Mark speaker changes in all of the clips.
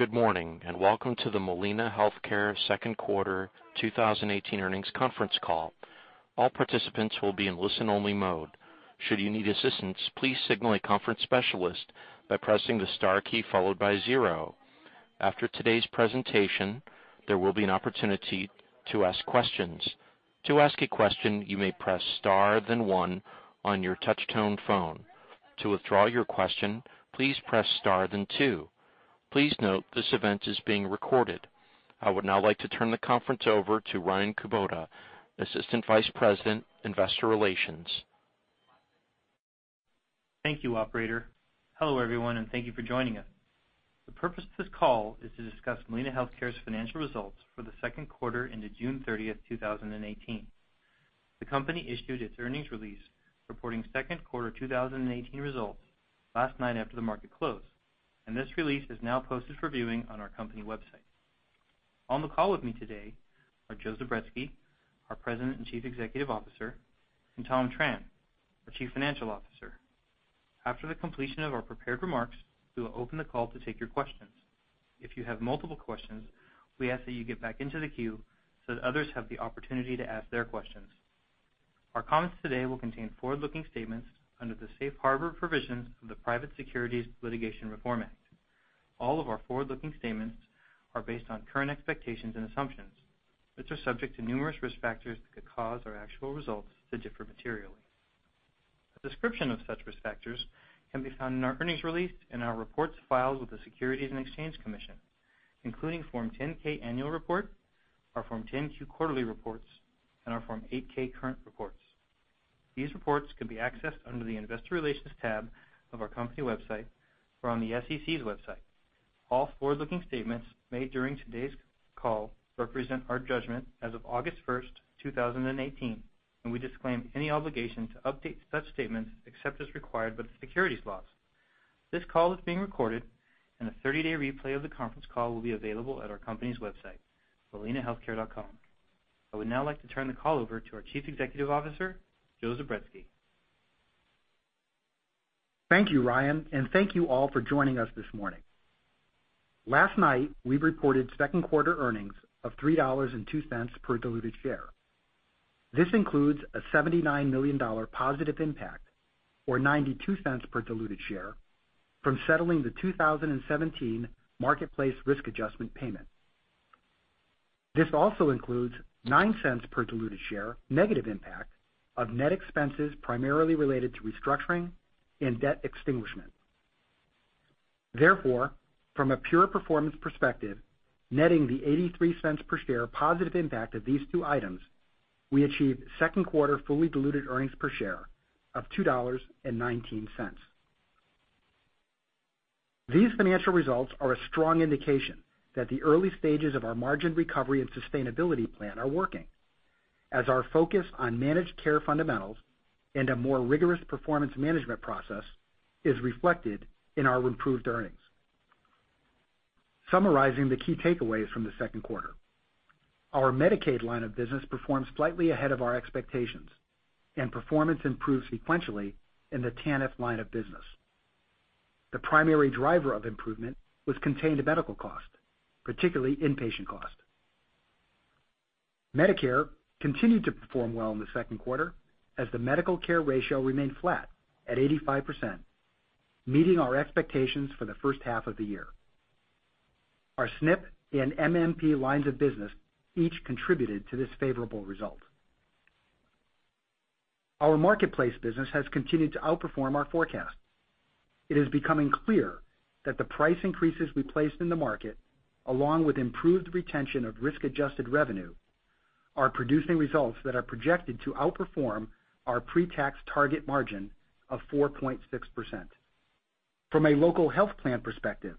Speaker 1: Good morning, and welcome to the Molina Healthcare second quarter 2018 earnings conference call. All participants will be in listen only mode. Should you need assistance, please signal a conference specialist by pressing the star key followed by zero. After today's presentation, there will be an opportunity to ask questions. To ask a question, you may press star then one on your touch tone phone. To withdraw your question, please press star then two. Please note this event is being recorded. I would now like to turn the conference over to Ryan Kubota, Assistant Vice President, Investor Relations.
Speaker 2: Thank you, operator. Hello, everyone, and thank you for joining us. The purpose of this call is to discuss Molina Healthcare's financial results for the second quarter into June 30th, 2018. The company issued its earnings release reporting second quarter 2018 results last night after the market closed, and this release is now posted for viewing on our company website. On the call with me today are Joe Zubretsky, our President and Chief Executive Officer, and Tom Tran, our Chief Financial Officer. After the completion of our prepared remarks, we will open the call to take your questions. If you have multiple questions, we ask that you get back into the queue so that others have the opportunity to ask their questions. Our comments today will contain forward-looking statements under the safe harbor provisions of the Private Securities Litigation Reform Act. All of our forward-looking statements are based on current expectations and assumptions, which are subject to numerous risk factors that could cause our actual results to differ materially. A description of such risk factors can be found in our earnings release and our reports filed with the Securities and Exchange Commission, including Form 10-K annual report, our Form 10-Q quarterly reports, and our Form 8-K current reports. These reports can be accessed under the investor relations tab of our company website or on the SEC's website. All forward-looking statements made during today's call represent our judgment as of August 1st, 2018, and we disclaim any obligation to update such statements except as required by the securities laws. This call is being recorded, and a 30-day replay of the conference call will be available at our company's website, molinahealthcare.com. I would now like to turn the call over to our Chief Executive Officer, Joe Zubretsky.
Speaker 3: Thank you, Ryan, and thank you all for joining us this morning. Last night, we reported second quarter earnings of $3.02 per diluted share. This includes a $79 million positive impact or $0.92 per diluted share from settling the 2017 Marketplace risk adjustment payment. This also includes $0.09 per diluted share negative impact of net expenses, primarily related to restructuring and debt extinguishment. Therefore, from a pure performance perspective, netting the $0.83 per share positive impact of these two items, we achieved second quarter fully diluted earnings per share of $2.19. These financial results are a strong indication that the early stages of our margin recovery and sustainability plan are working, as our focus on managed care fundamentals and a more rigorous performance management process is reflected in our improved earnings. Summarizing the key takeaways from the second quarter. Our Medicaid line of business performed slightly ahead of our expectations, and performance improved sequentially in the TANF line of business. The primary driver of improvement was contained in medical cost, particularly inpatient cost. Medicare continued to perform well in the second quarter as the medical care ratio remained flat at 85%, meeting our expectations for the first half of the year. Our SNP and MMP lines of business each contributed to this favorable result. Our Marketplace business has continued to outperform our forecast. It is becoming clear that the price increases we placed in the market, along with improved retention of risk-adjusted revenue, are producing results that are projected to outperform our pre-tax target margin of 4.6%. From a local health plan perspective,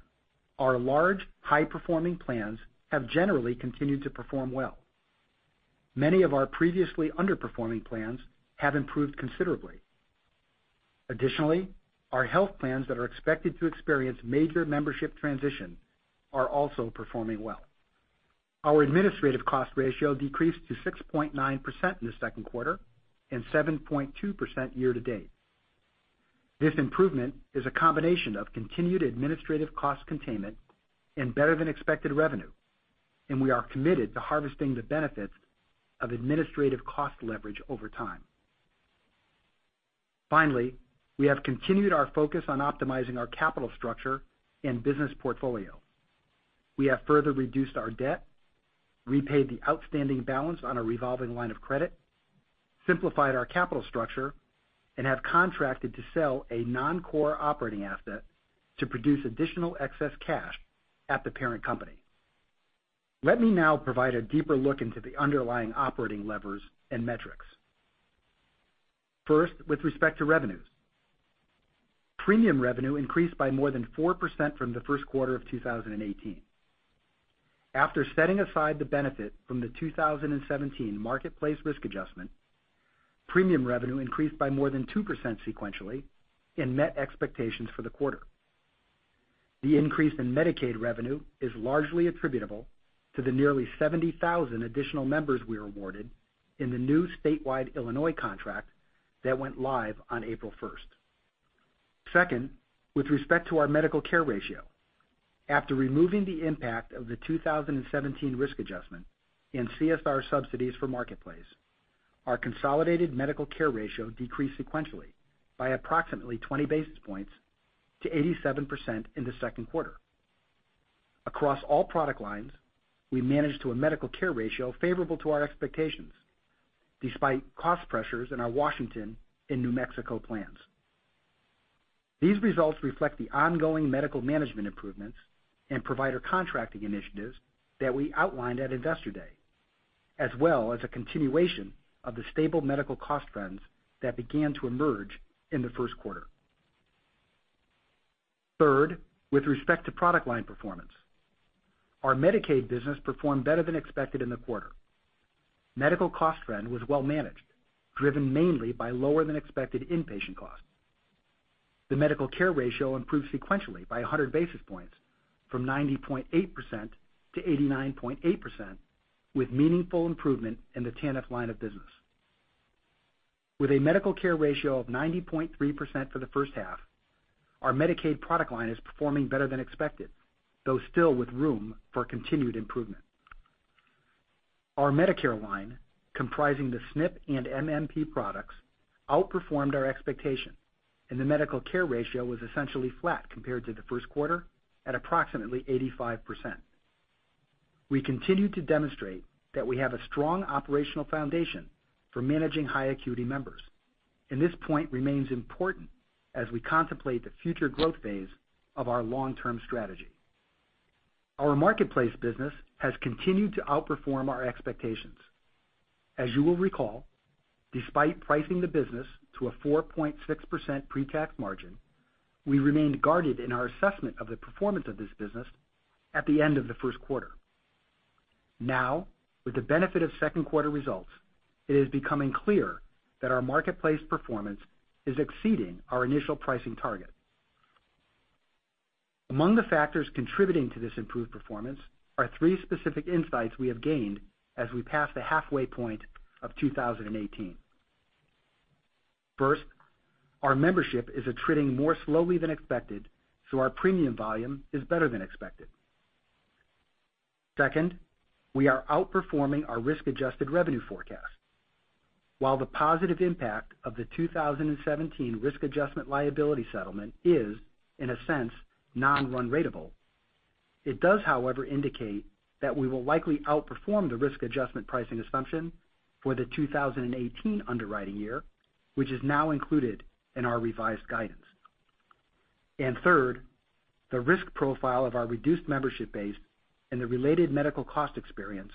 Speaker 3: our large, high-performing plans have generally continued to perform well. Many of our previously underperforming plans have improved considerably. Our health plans that are expected to experience major membership transition are also performing well. Our administrative cost ratio decreased to 6.9% in the second quarter and 7.2% year to date. This improvement is a combination of continued administrative cost containment and better than expected revenue, and we are committed to harvesting the benefits of administrative cost leverage over time. We have continued our focus on optimizing our capital structure and business portfolio. We have further reduced our debt, repaid the outstanding balance on our revolving line of credit, simplified our capital structure, and have contracted to sell a non-core operating asset to produce additional excess cash at the parent company. Let me now provide a deeper look into the underlying operating levers and metrics. With respect to revenues. Premium revenue increased by more than 4% from the first quarter of 2018. After setting aside the benefit from the 2017 Marketplace risk adjustment, premium revenue increased by more than 2% sequentially and met expectations for the quarter. The increase in Medicaid revenue is largely attributable to the nearly 70,000 additional members we awarded in the new statewide Illinois contract that went live on April 1st. With respect to our medical care ratio, after removing the impact of the 2017 risk adjustment and CSR subsidies for Marketplace, our consolidated medical care ratio decreased sequentially by approximately 20 basis points to 87% in the second quarter. Across all product lines, we managed to a medical care ratio favorable to our expectations, despite cost pressures in our Washington and New Mexico plans. These results reflect the ongoing medical management improvements and provider contracting initiatives that we outlined at Investor Day, as well as a continuation of the stable medical cost trends that began to emerge in the first quarter. Third, with respect to product line performance, our Medicaid business performed better than expected in the quarter. Medical cost trend was well managed, driven mainly by lower than expected inpatient costs. The medical care ratio improved sequentially by 100 basis points from 90.8% to 89.8%, with meaningful improvement in the TANF line of business. With a medical care ratio of 90.3% for the first half, our Medicaid product line is performing better than expected, though still with room for continued improvement. Our Medicare line, comprising the SNP and MMP products, outperformed our expectations, and the medical care ratio was essentially flat compared to the first quarter at approximately 85%. We continue to demonstrate that we have a strong operational foundation for managing high acuity members, and this point remains important as we contemplate the future growth phase of our long-term strategy. Our Marketplace business has continued to outperform our expectations. As you will recall, despite pricing the business to a 4.6% pre-tax margin, we remained guarded in our assessment of the performance of this business at the end of the first quarter. Now, with the benefit of second quarter results, it is becoming clear that our Marketplace performance is exceeding our initial pricing target. Among the factors contributing to this improved performance are three specific insights we have gained as we pass the halfway point of 2018. First, our membership is attriting more slowly than expected, our premium volume is better than expected. Second, we are outperforming our risk-adjusted revenue forecast. While the positive impact of the 2017 risk adjustment liability settlement is, in a sense, non-run ratable, it does, however, indicate that we will likely outperform the risk adjustment pricing assumption for the 2018 underwriting year, which is now included in our revised guidance. Third, the risk profile of our reduced membership base and the related medical cost experience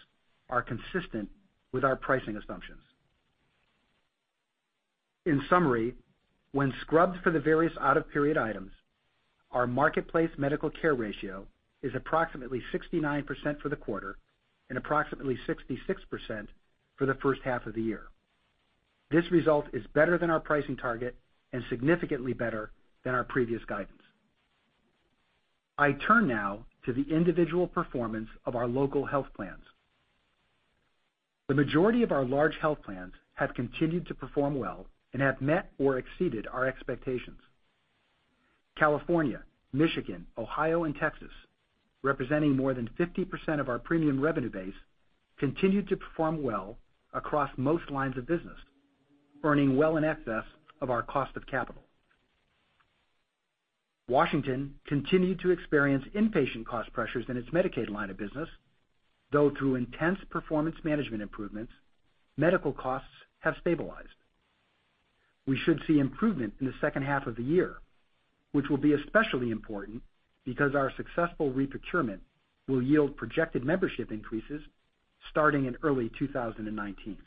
Speaker 3: are consistent with our pricing assumptions. In summary, when scrubbed for the various out-of-period items, our Marketplace medical care ratio is approximately 69% for the quarter and approximately 66% for the first half of the year. This result is better than our pricing target and significantly better than our previous guidance. I turn now to the individual performance of our local health plans. The majority of our large health plans have continued to perform well and have met or exceeded our expectations. California, Michigan, Ohio, and Texas, representing more than 50% of our premium revenue base, continued to perform well across most lines of business, earning well in excess of our cost of capital. Washington continued to experience inpatient cost pressures in its Medicaid line of business, though through intense performance management improvements, medical costs have stabilized. We should see improvement in the second half of the year, which will be especially important because our successful re-procurement will yield projected membership increases starting in early 2019.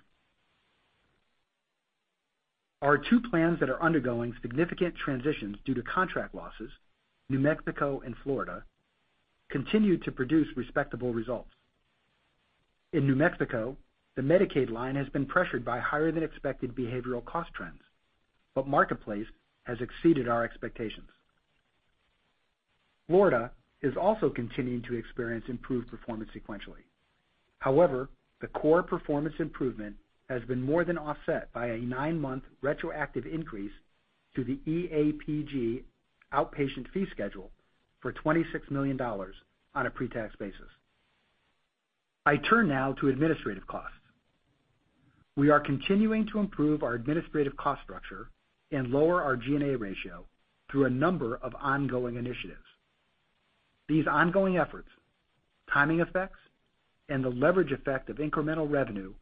Speaker 3: Our two plans that are undergoing significant transitions due to contract losses, New Mexico and Florida, continued to produce respectable results. In New Mexico, the Medicaid line has been pressured by higher than expected behavioral cost trends, Marketplace has exceeded our expectations. Florida is also continuing to experience improved performance sequentially. However, the core performance improvement has been more than offset by a 9-month retroactive increase to the EAPG outpatient fee schedule for $26 million on a pre-tax basis. I turn now to administrative costs. We are continuing to improve our administrative cost structure and lower our G&A ratio through a number of ongoing initiatives. These ongoing efforts, timing effects, and the leverage effect of incremental revenue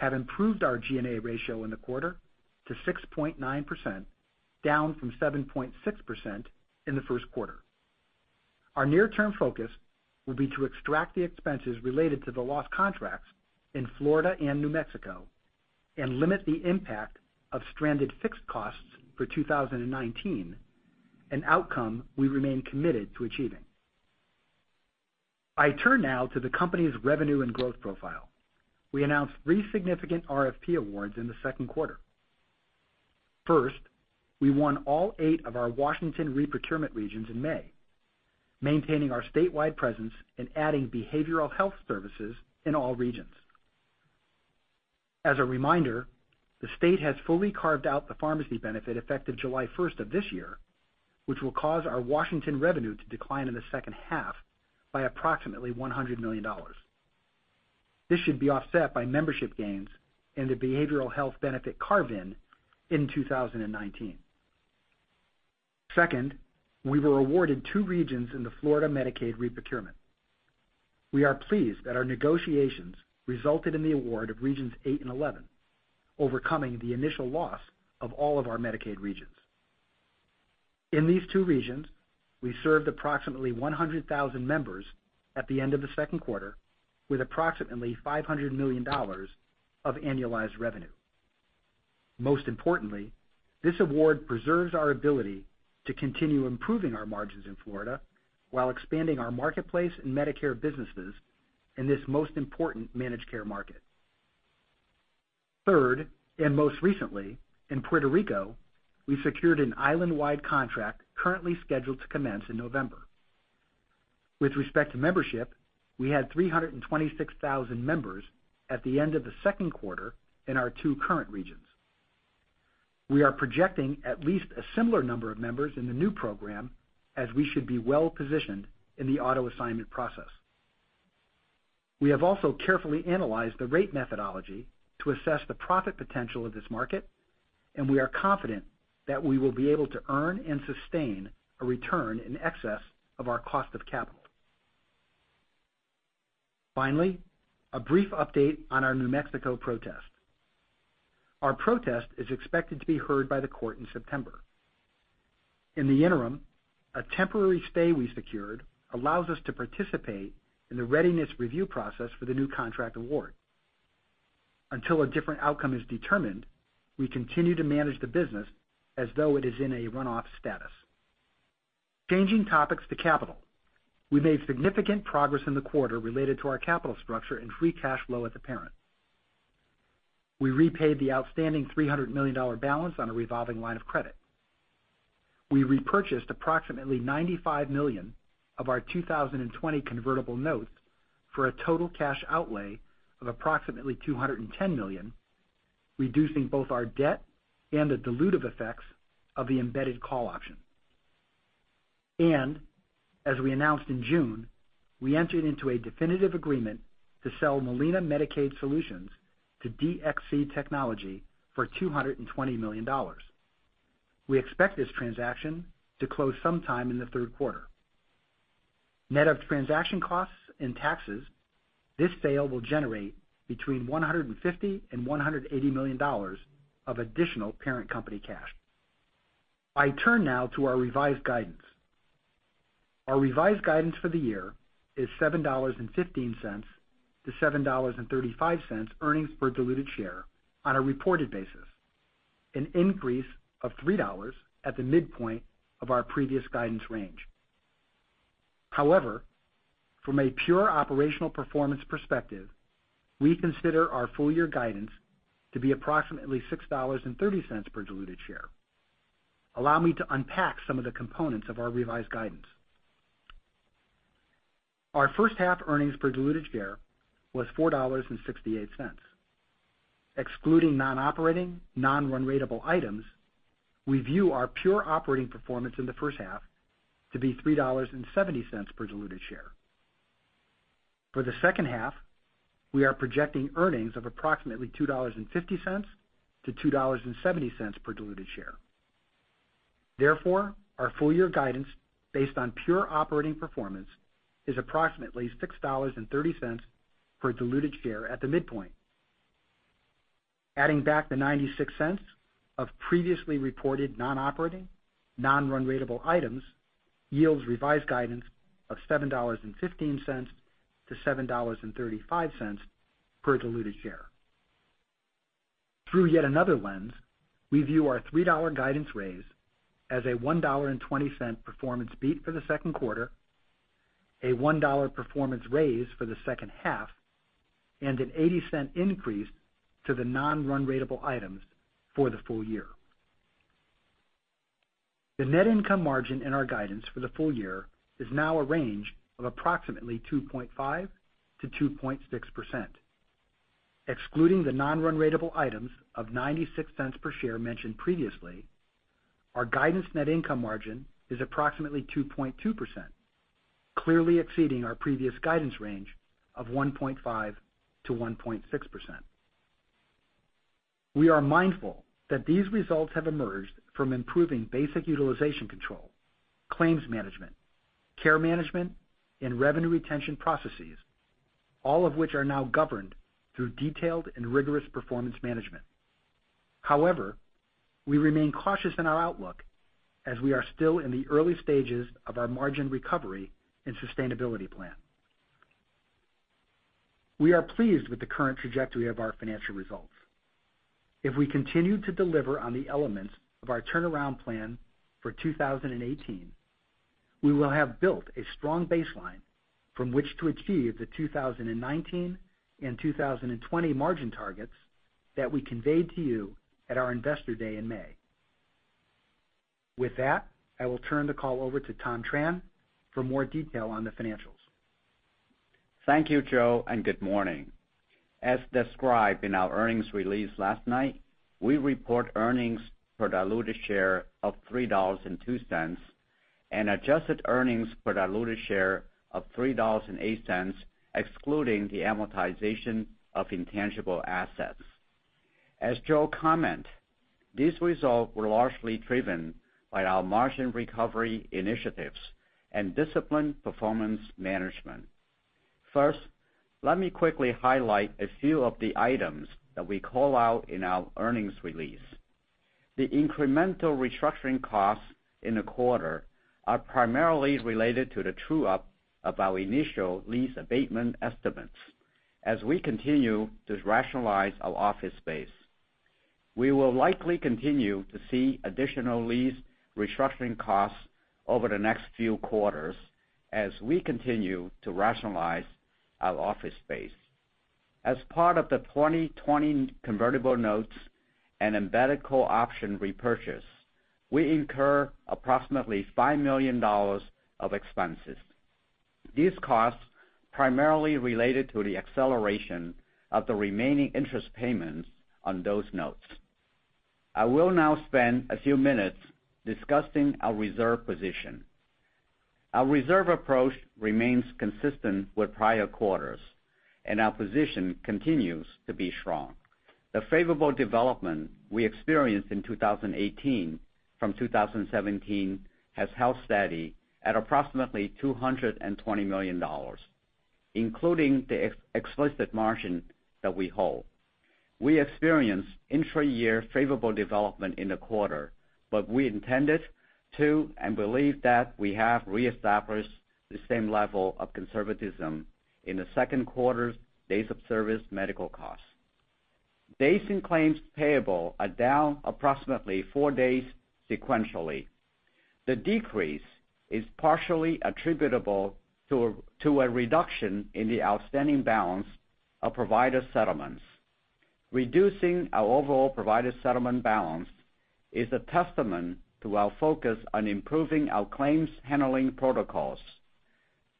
Speaker 3: have improved our G&A ratio in the quarter to 6.9%, down from 7.6% in the first quarter. Our near-term focus will be to extract the expenses related to the lost contracts in Florida and New Mexico and limit the impact of stranded fixed costs for 2019, an outcome we remain committed to achieving. I turn now to the company's revenue and growth profile. We announced three significant RFP awards in the second quarter. We won all eight of our Washington re-procurement regions in May, maintaining our statewide presence and adding behavioral health services in all regions. As a reminder, the state has fully carved out the pharmacy benefit effective July 1st of this year, which will cause our Washington revenue to decline in the second half by approximately $100 million. This should be offset by membership gains and the behavioral health benefit carve in in 2019. We were awarded two regions in the Florida Medicaid re-procurement. We are pleased that our negotiations resulted in the award of regions eight and 11, overcoming the initial loss of all of our Medicaid regions. In these two regions, we served approximately 100,000 members at the end of the second quarter, with approximately $500 million of annualized revenue. Most importantly, this award preserves our ability to continue improving our margins in Florida while expanding our Marketplace and Medicare businesses in this most important managed care market. Most recently, in Puerto Rico, we secured an island-wide contract currently scheduled to commence in November. With respect to membership, we had 326,000 members at the end of the second quarter in our two current regions. We are projecting at least a similar number of members in the new program, as we should be well-positioned in the auto assignment process. We have also carefully analyzed the rate methodology to assess the profit potential of this market, and we are confident that we will be able to earn and sustain a return in excess of our cost of capital. A brief update on our New Mexico protest. Our protest is expected to be heard by the court in September. In the interim, a temporary stay we secured allows us to participate in the readiness review process for the new contract award. Until a different outcome is determined, we continue to manage the business as though it is in a runoff status. Changing topics to capital, we made significant progress in the quarter related to our capital structure and free cash flow at the parent. We repaid the outstanding $300 million balance on a revolving line of credit. We repurchased approximately $95 million of our 2020 convertible notes for a total cash outlay of approximately $210 million, reducing both our debt and the dilutive effects of the embedded call option. As we announced in June, we entered into a definitive agreement to sell Molina Medicaid Solutions to DXC Technology for $220 million. We expect this transaction to close sometime in the third quarter. Net of transaction costs and taxes, this sale will generate between $150 million and $180 million of additional parent company cash. I turn now to our revised guidance. Our revised guidance for the year is $7.15 to $7.35 earnings per diluted share on a reported basis, an increase of $3 at the midpoint of our previous guidance range. From a pure operational performance perspective, we consider our full year guidance to be approximately $6.30 per diluted share. Allow me to unpack some of the components of our revised guidance. Our first half earnings per diluted share was $4.68. Excluding non-operating, non-run ratable items, we view our pure operating performance in the first half to be $3.70 per diluted share. For the second half, we are projecting earnings of approximately $2.50 to $2.70 per diluted share. Our full year guidance, based on pure operating performance, is approximately $6.30 per diluted share at the midpoint. Adding back the $0.96 of previously reported non-operating, non-run ratable items yields revised guidance of $7.15 to $7.35 per diluted share. Through yet another lens, we view our $3 guidance raise as a $1.20 performance beat for the second quarter, a $1 performance raise for the second half, and an $0.80 increase to the non-run ratable items for the full year. The net income margin in our guidance for the full year is now a range of approximately 2.5%-2.6%. Excluding the non-run ratable items of $0.96 per share mentioned previously, our guidance net income margin is approximately 2.2%, clearly exceeding our previous guidance range of 1.5%-1.6%. We are mindful that these results have emerged from improving basic utilization control, claims management, care management, and revenue retention processes, all of which are now governed through detailed and rigorous performance management. We remain cautious in our outlook as we are still in the early stages of our margin recovery and sustainability plan. We are pleased with the current trajectory of our financial results. If we continue to deliver on the elements of our turnaround plan for 2018, we will have built a strong baseline from which to achieve the 2019 and 2020 margin targets that we conveyed to you at our Investor Day in May. With that, I will turn the call over to Tom Tran for more detail on the financials.
Speaker 4: Thank you, Joe, and good morning. As described in our earnings release last night, we report earnings per diluted share of $3.02 and adjusted earnings per diluted share of $3.08, excluding the amortization of intangible assets. As Joe commented, these results were largely driven by our margin recovery initiatives and disciplined performance management. First, let me quickly highlight a few of the items that we call out in our earnings release. The incremental restructuring costs in the quarter are primarily related to the true-up of our initial lease abatement estimates as we continue to rationalize our office space. We will likely continue to see additional lease restructuring costs over the next few quarters as we continue to rationalize our office space. As part of the 2020 convertible notes and embedded call option repurchase, we incur approximately $5 million of expenses. These costs primarily related to the acceleration of the remaining interest payments on those notes. I will now spend a few minutes discussing our reserve position. Our reserve approach remains consistent with prior quarters, and our position continues to be strong. The favorable development we experienced in 2018 from 2017 has held steady at approximately $220 million, including the explicit margin that we hold. We experienced intra-year favorable development in the quarter, but we intended to, and believe that we have reestablished the same level of conservatism in the second quarter's days of service medical costs. Days in claims payable are down approximately four days sequentially. The decrease is partially attributable to a reduction in the outstanding balance of provider settlements. Reducing our overall provider settlement balance is a testament to our focus on improving our claims handling protocols.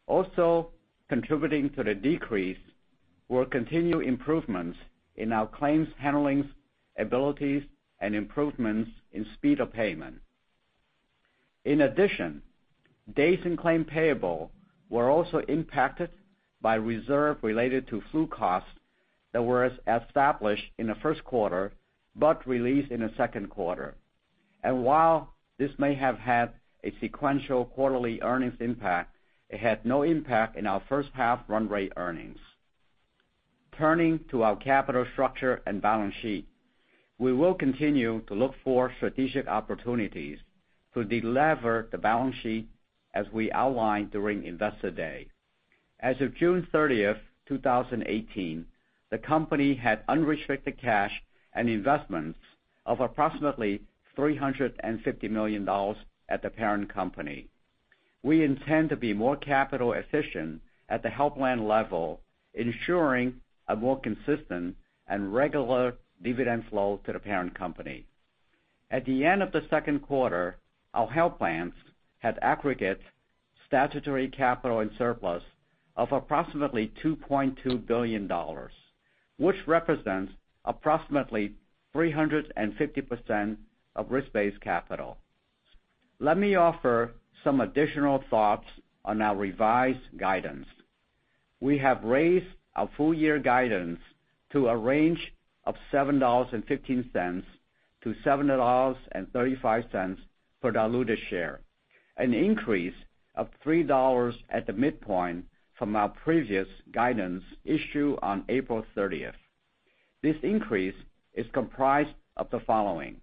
Speaker 4: Also contributing to the decrease were continued improvements in our claims handling abilities and improvements in speed of payment. In addition, days in claims payable were also impacted by reserve related to flu costs that were established in the first quarter but released in the second quarter. While this may have had a sequential quarterly earnings impact, it had no impact in our first half run rate earnings. Turning to our capital structure and balance sheet. We will continue to look for strategic opportunities to delever the balance sheet as we outlined during Investor Day. As of June 30th, 2018, the company had unrestricted cash and investments of approximately $350 million at the parent company. We intend to be more capital efficient at the health plan level, ensuring a more consistent and regular dividend flow to the parent company. At the end of the second quarter, our health plans had aggregate statutory capital and surplus of approximately $2.2 billion, which represents approximately 350% of risk-based capital. Let me offer some additional thoughts on our revised guidance. We have raised our full year guidance to a range of $7.15 to $7.35 per diluted share, an increase of $3 at the midpoint from our previous guidance issued on April 30th. This increase is comprised of the following.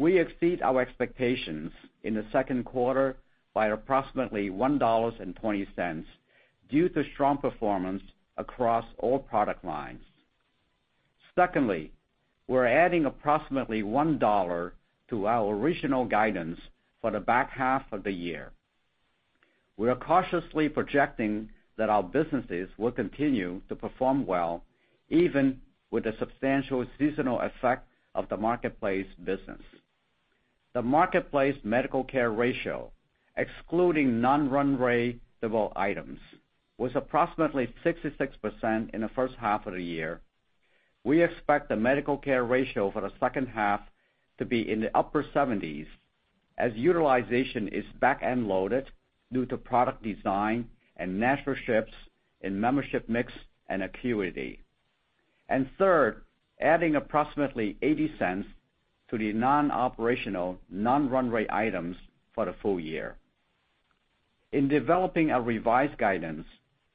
Speaker 4: We exceed our expectations in the second quarter by approximately $1.20 due to strong performance across all product lines. Secondly, we're adding approximately $1 to our original guidance for the back half of the year. We are cautiously projecting that our businesses will continue to perform well, even with the substantial seasonal effect of the Marketplace business. The Marketplace medical care ratio, excluding non-run rate of all items, was approximately 66% in the first half of the year. We expect the medical care ratio for the second half to be in the upper 70s, as utilization is back-end loaded due to product design and natural shifts in membership mix and acuity. Third, adding approximately $0.80 to the non-operational, non-run rate items for the full year. In developing our revised guidance,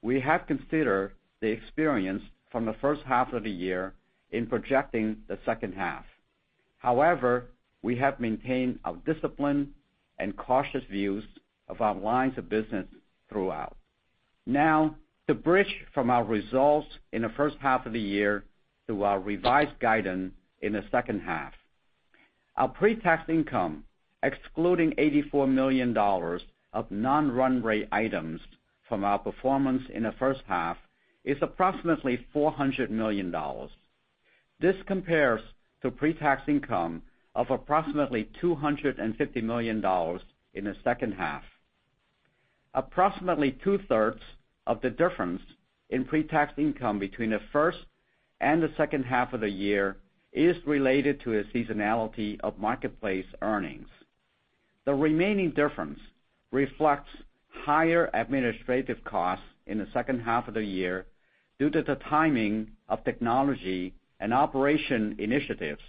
Speaker 4: we have considered the experience from the first half of the year in projecting the second half. However, we have maintained a disciplined and cautious views of our lines of business throughout. Now, to bridge from our results in the first half of the year to our revised guidance in the second half. Our pre-tax income, excluding $84 million of non-run rate items from our performance in the first half, is approximately $400 million. This compares to pre-tax income of approximately $250 million in the second half. Approximately two-thirds of the difference in pre-tax income between the first and the second half of the year is related to a seasonality of Marketplace earnings. The remaining difference reflects higher administrative costs in the second half of the year due to the timing of technology and operation initiatives,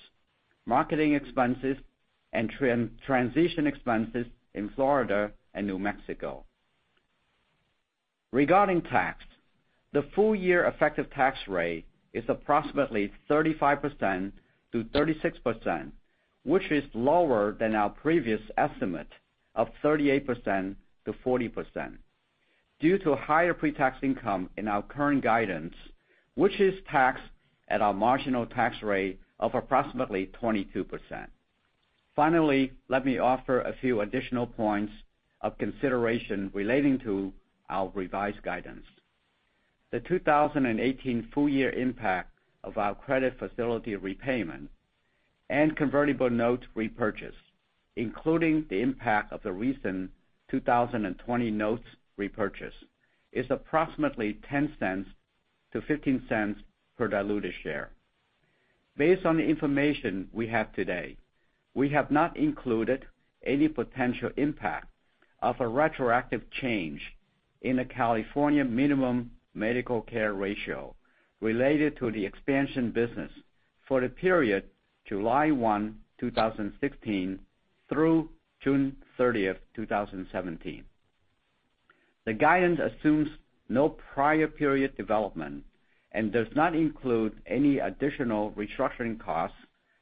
Speaker 4: marketing expenses, and transition expenses in Florida and New Mexico. Regarding tax, the full-year effective tax rate is approximately 35%-36%, which is lower than our previous estimate of 38%-40%, due to higher pre-tax income in our current guidance, which is taxed at our marginal tax rate of approximately 22%. Finally, let me offer a few additional points of consideration relating to our revised guidance. The 2018 full-year impact of our credit facility repayment and convertible note repurchase, including the impact of the recent 2020 notes repurchase, is approximately $0.10-$0.15 per diluted share. Based on the information we have today, we have not included any potential impact of a retroactive change in the California minimum medical care ratio related to the expansion business for the period July 1, 2016 through June 30, 2017. The guidance assumes no prior period development and does not include any additional restructuring costs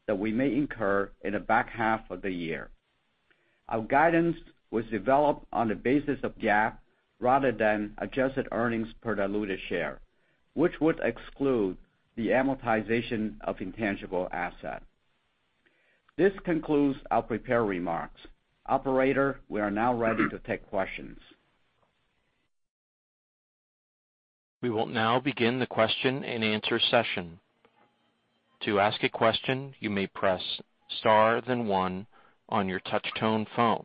Speaker 4: that we may incur in the back half of the year. Our guidance was developed on the basis of GAAP rather than adjusted earnings per diluted share, which would exclude the amortization of intangible asset. This concludes our prepared remarks. Operator, we are now ready to take questions.
Speaker 1: We will now begin the question-and-answer session. To ask a question, you may press star then one on your touch-tone phone.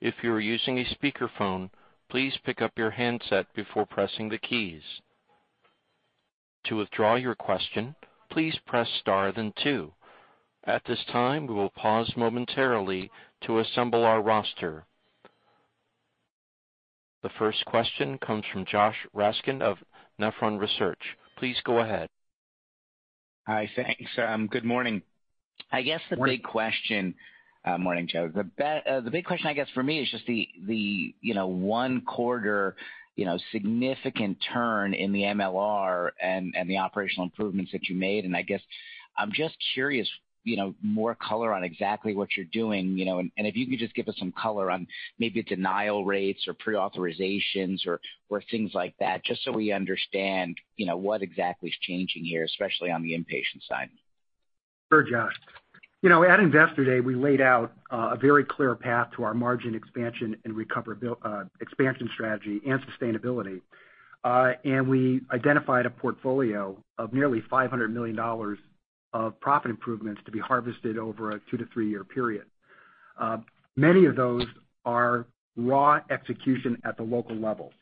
Speaker 1: If you are using a speakerphone, please pick up your handset before pressing the keys. To withdraw your question, please press star then two. At this time, we will pause momentarily to assemble our roster. The first question comes from Joshua Raskin of Nephron Research. Please go ahead.
Speaker 5: Hi, thanks. Good morning.
Speaker 3: Morning.
Speaker 5: Morning, Joe. The big question, I guess for me is just the one quarter significant turn in the MLR and the operational improvements that you made. I guess I'm just curious, more color on exactly what you're doing. If you could just give us some color on maybe denial rates or pre-authorizations or things like that, just so we understand what exactly is changing here, especially on the inpatient side.
Speaker 3: Sure, Josh. At Investor Day, we laid out a very clear path to our margin expansion and recovery expansion strategy and sustainability. We identified a portfolio of nearly $500 million of profit improvements to be harvested over a two- to three-year period. Many of those are raw execution at the local level.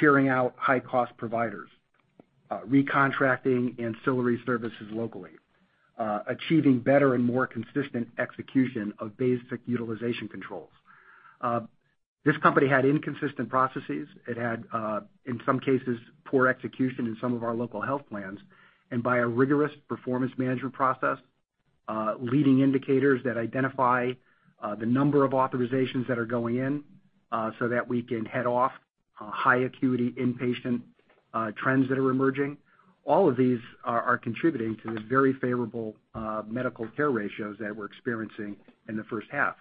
Speaker 3: Culling out high-cost providers, recontracting ancillary services locally, achieving better and more consistent execution of basic utilization controls. This company had inconsistent processes. It had, in some cases, poor execution in some of our local health plans, by a rigorous performance management process, leading indicators that identify the number of authorizations that are going in, so that we can head off high acuity inpatient trends that are emerging. All of these are contributing to the very favorable medical care ratios that we're experiencing in the first half.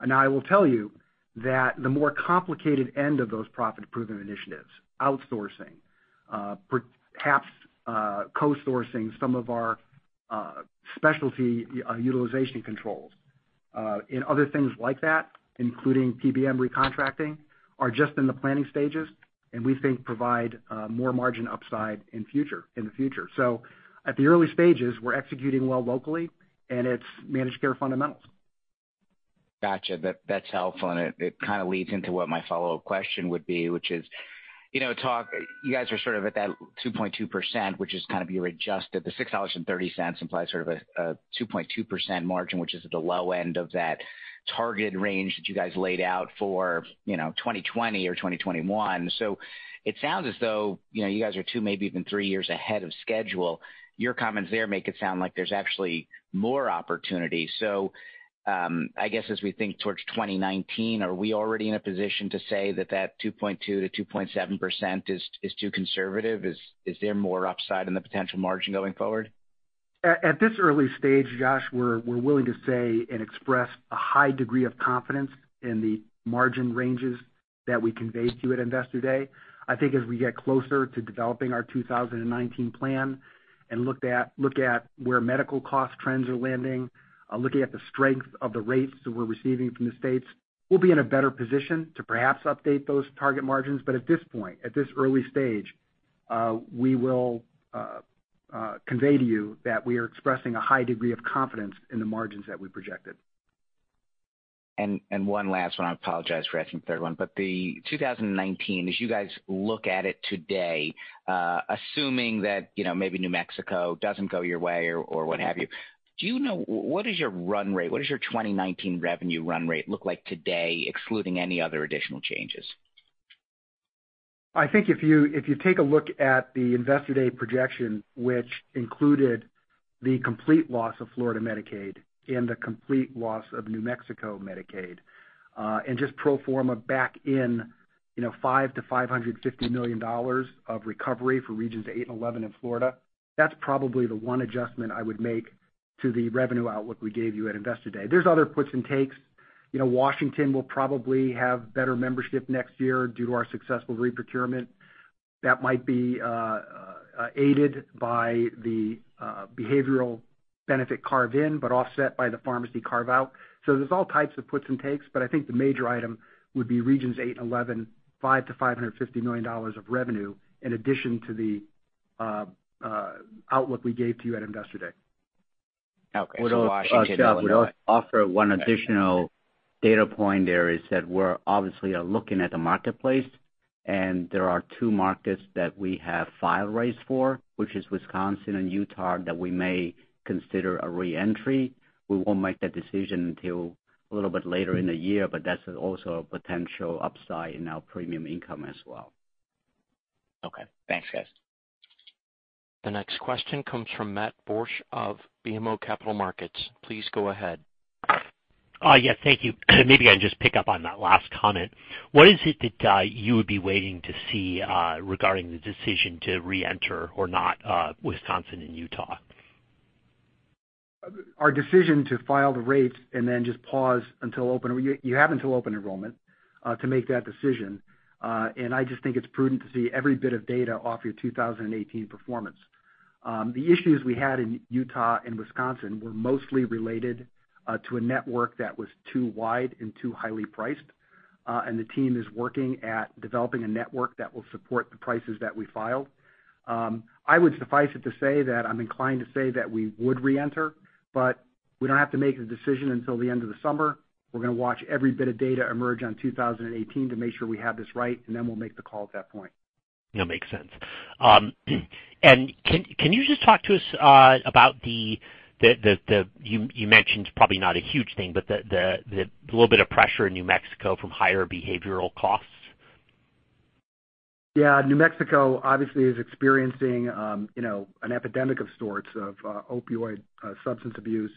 Speaker 3: I will tell you that the more complicated end of those profit improvement initiatives, outsourcing, perhaps co-sourcing some of our specialty utilization controls, and other things like that, including PBM recontracting, are just in the planning stages. We think provide more margin upside in the future. At the early stages, we're executing well locally, it's managed care fundamentals.
Speaker 5: Got you. That's helpful. It kind of leads into what my follow-up question would be, which is, you guys are sort of at that 2.2%, which is kind of your adjusted, the $6.30 implies sort of a 2.2% margin, which is at the low end of that target range that you guys laid out for 2020 or 2021. It sounds as though you guys are two, maybe even three years ahead of schedule. Your comments there make it sound like there's actually more opportunity. I guess as we think towards 2019, are we already in a position to say that that 2.2%-2.7% is too conservative? Is there more upside in the potential margin going forward?
Speaker 3: At this early stage, Josh, we're willing to say and express a high degree of confidence in the margin ranges that we conveyed to you at Investor Day. I think as we get closer to developing our 2019 plan and look at where medical cost trends are landing, looking at the strength of the rates that we're receiving from the states, we'll be in a better position to perhaps update those target margins. At this point, at this early stage, we will convey to you that we are expressing a high degree of confidence in the margins that we projected.
Speaker 5: One last one. I apologize for asking a third one, the 2019, as you guys look at it today, assuming that maybe New Mexico doesn't go your way or what have you, what is your run rate? What does your 2019 revenue run rate look like today, excluding any other additional changes?
Speaker 3: I think if you take a look at the Investor Day projection, which included the complete loss of Florida Medicaid and the complete loss of New Mexico Medicaid, just pro forma back in $500 million-$550 million of recovery for Regions 8 and 11 in Florida, that's probably the one adjustment I would make to the revenue outlook we gave you at Investor Day. There's other puts and takes. Washington will probably have better membership next year due to our successful re-procurement. That might be aided by the behavioral benefit carve-in, offset by the pharmacy carve-out. There's all types of puts and takes, I think the major item would be Regions 8 and 11, $5 million-$550 million of revenue in addition to the outlook we gave to you at Investor Day.
Speaker 5: Okay. Washington-
Speaker 3: I would also offer one additional data point there is that we're obviously are looking at the Marketplace, and there are two markets that we have file rates for, which is Wisconsin and Utah, that we may consider a re-entry. We won't make that decision until a little bit later in the year, but that's also a potential upside in our premium income as well.
Speaker 5: Okay. Thanks, guys.
Speaker 1: The next question comes from Matt Borsch of BMO Capital Markets. Please go ahead.
Speaker 6: Yes, thank you. Maybe I just pick up on that last comment. What is it that you would be waiting to see regarding the decision to re-enter or not Wisconsin and Utah?
Speaker 3: Our decision to file the rates and then just pause until open enrollment to make that decision. I just think it's prudent to see every bit of data off your 2018 performance. The issues we had in Utah and Wisconsin were mostly related to a network that was too wide and too highly priced. The team is working at developing a network that will support the prices that we filed. I would suffice it to say that I'm inclined to say that we would re-enter, we don't have to make the decision until the end of the summer. We're going to watch every bit of data emerge on 2018 to make sure we have this right, we'll make the call at that point.
Speaker 6: Yeah, makes sense. Can you just talk to us about the You mentioned it's probably not a huge thing, the little bit of pressure in New Mexico from higher behavioral costs?
Speaker 3: Yeah. New Mexico obviously is experiencing an epidemic of sorts of opioid substance abuse,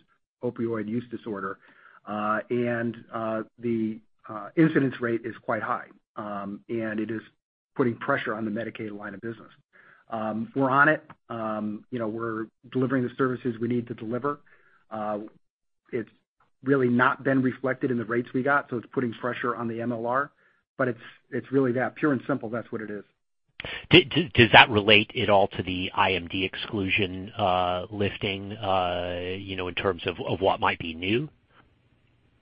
Speaker 3: opioid use disorder, and the incidence rate is quite high. It is putting pressure on the Medicaid line of business. We're on it. We're delivering the services we need to deliver. It's really not been reflected in the rates we got, it's putting pressure on the MLR, it's really that, pure and simple, that's what it is.
Speaker 6: Does that relate at all to the IMD exclusion lifting, in terms of what might be new?